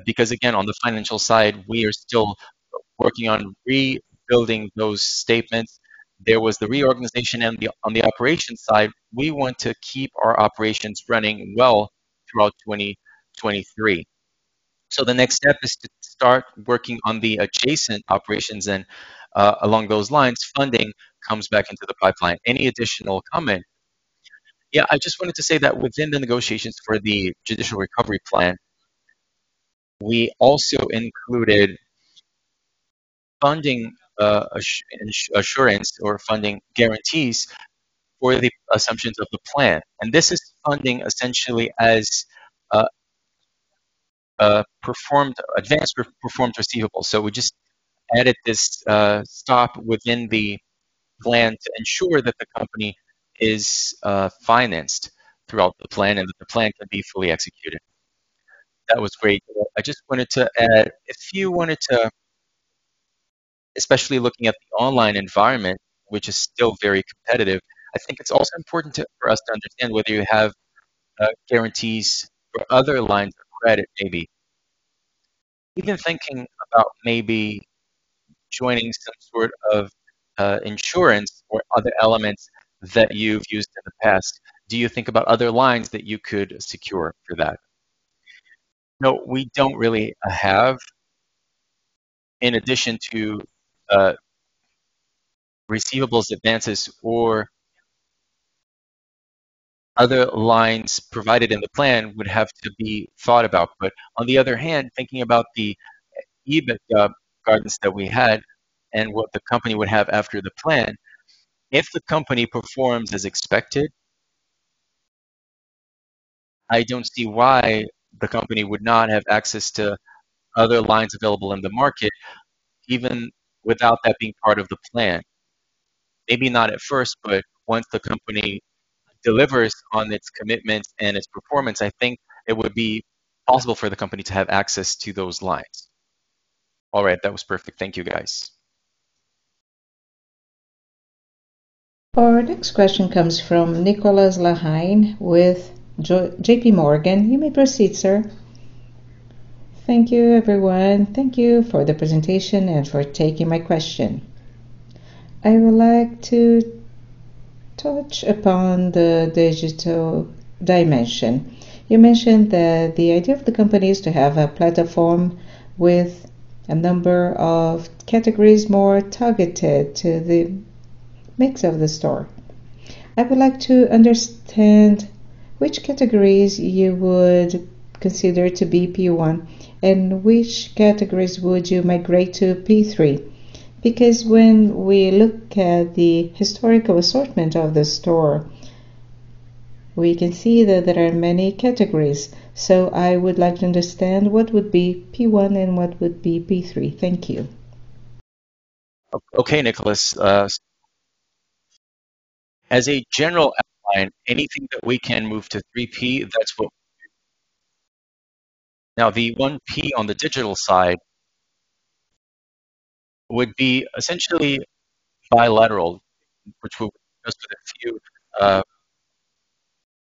because again, on the financial side, we are still working on rebuilding those statements. There was the reorganization and on the operations side, we want to keep our operations running well throughout 2023. So the next step is to start working on the adjacent operations, and, along those lines, funding comes back into the pipeline. Any additional comment? Yeah, I just wanted to say that within the negotiations for the judicial recovery plan, we also included funding, as assurance or funding guarantees for the assumptions of the plan. And this is funding essentially as performed, advanced performed receivables. So we just added this stop within the plan to ensure that the company is financed throughout the plan and that the plan can be fully executed. That was great. I just wanted to add, if you wanted to, especially looking at the online environment, which is still very competitive, I think it's also important to for us to understand whether you have guarantees for other lines of credit, maybe. Even thinking about maybe joining some sort of, insurance or other elements that you've used in the past. Do you think about other lines that you could secure for that? No, we don't really have, in addition to, receivables advances or other lines provided in the plan, would have to be thought about. But on the other hand, thinking about the, EBITDA guidance that we had and what the company would have after the plan, if the company performs as expected, I don't see why the company would not have access to other lines available in the market, even without that being part of the plan. Maybe not at first, but once the company delivers on its commitments and its performance, I think it would be possible for the company to have access to those lines. All right. That was perfect. Thank you, guys. Our next question comes from Nicolas Larrain with JP Morgan. You may proceed, sir. Thank you, everyone. Thank you for the presentation and for taking my question. I would like to touch upon the digital dimension. You mentioned that the idea of the company is to have a platform with a number of categories more targeted to the mix of the store. I would like to understand which categories you would consider to be 1P, and which categories would you migrate to 3P? Because when we look at the historical assortment of the store, we can see that there are many categories. So I would like to understand what would be 1P and what would be 3P. Thank you. Okay, Nicolas, as a general outline, anything that we can move to 3P, that's what... Now, the 1P on the digital side would be essentially bilateral, which will be just a few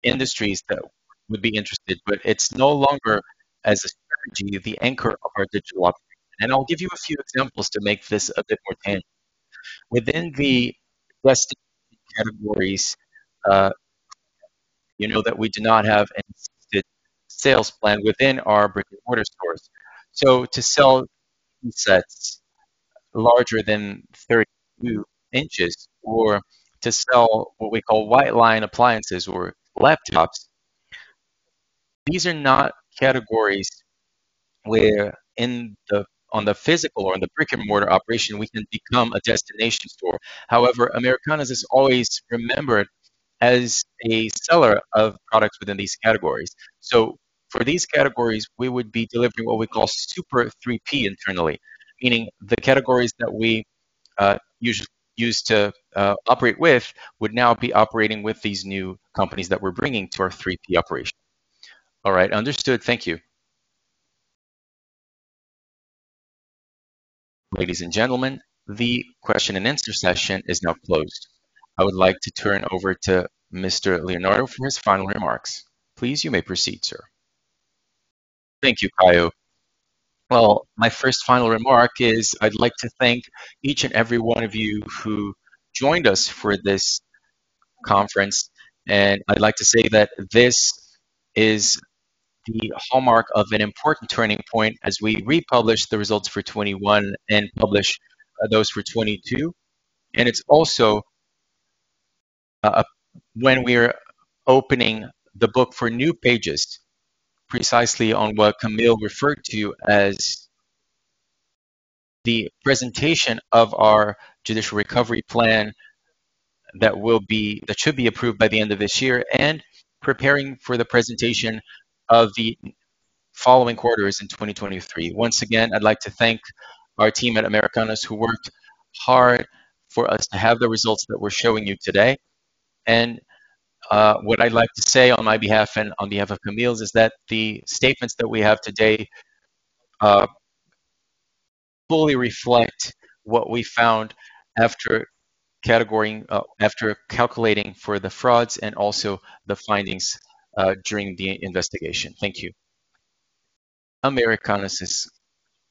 industries that would be interested, but it's no longer, as a strategy, the anchor of our digital operation. And I'll give you a few examples to make this a bit more tangible. Within the categories, you know, that we do not have an assisted sales plan within our brick-and-mortar stores. So to sell sets larger than 32 inches or to sell what we call white line appliances or laptops, these are not categories where on the physical or on the brick-and-mortar operation we can become a destination store. However, Americanas is always remembered as a seller of products within these categories. So for these categories, we would be delivering what we call Super 3P internally, meaning the categories that we use to operate with would now be operating with these new companies that we're bringing to our 3P operation. All right, understood. Thank you. Ladies and gentlemen, the question and answer session is now closed. I would like to turn over to Mr. Leonardo for his final remarks. Please, you may proceed, sir. Thank you. Well, my first final remark is I'd like to thank each and every one of you who joined us for this conference, and I'd like to say that this is the hallmark of an important turning point as we republish the results for 2021 and publish those for 2022. It's also when we are opening the book for new pages, precisely on what Camille referred to as the presentation of our judicial recovery plan, that will be... that should be approved by the end of this year, and preparing for the presentation of the following quarters in 2023. Once again, I'd like to thank our team at Americanas, who worked hard for us to have the results that we're showing you today. What I'd like to say on my behalf and on behalf of Camille's is that the statements that we have today fully reflect what we found after categorizing, after calculating for the frauds and also the findings during the investigation. Thank you. Americanas'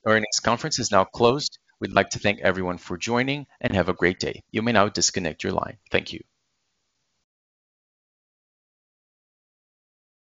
earnings conference is now closed. We'd like to thank everyone for joining, and have a great day. You may now disconnect your line. Thank you.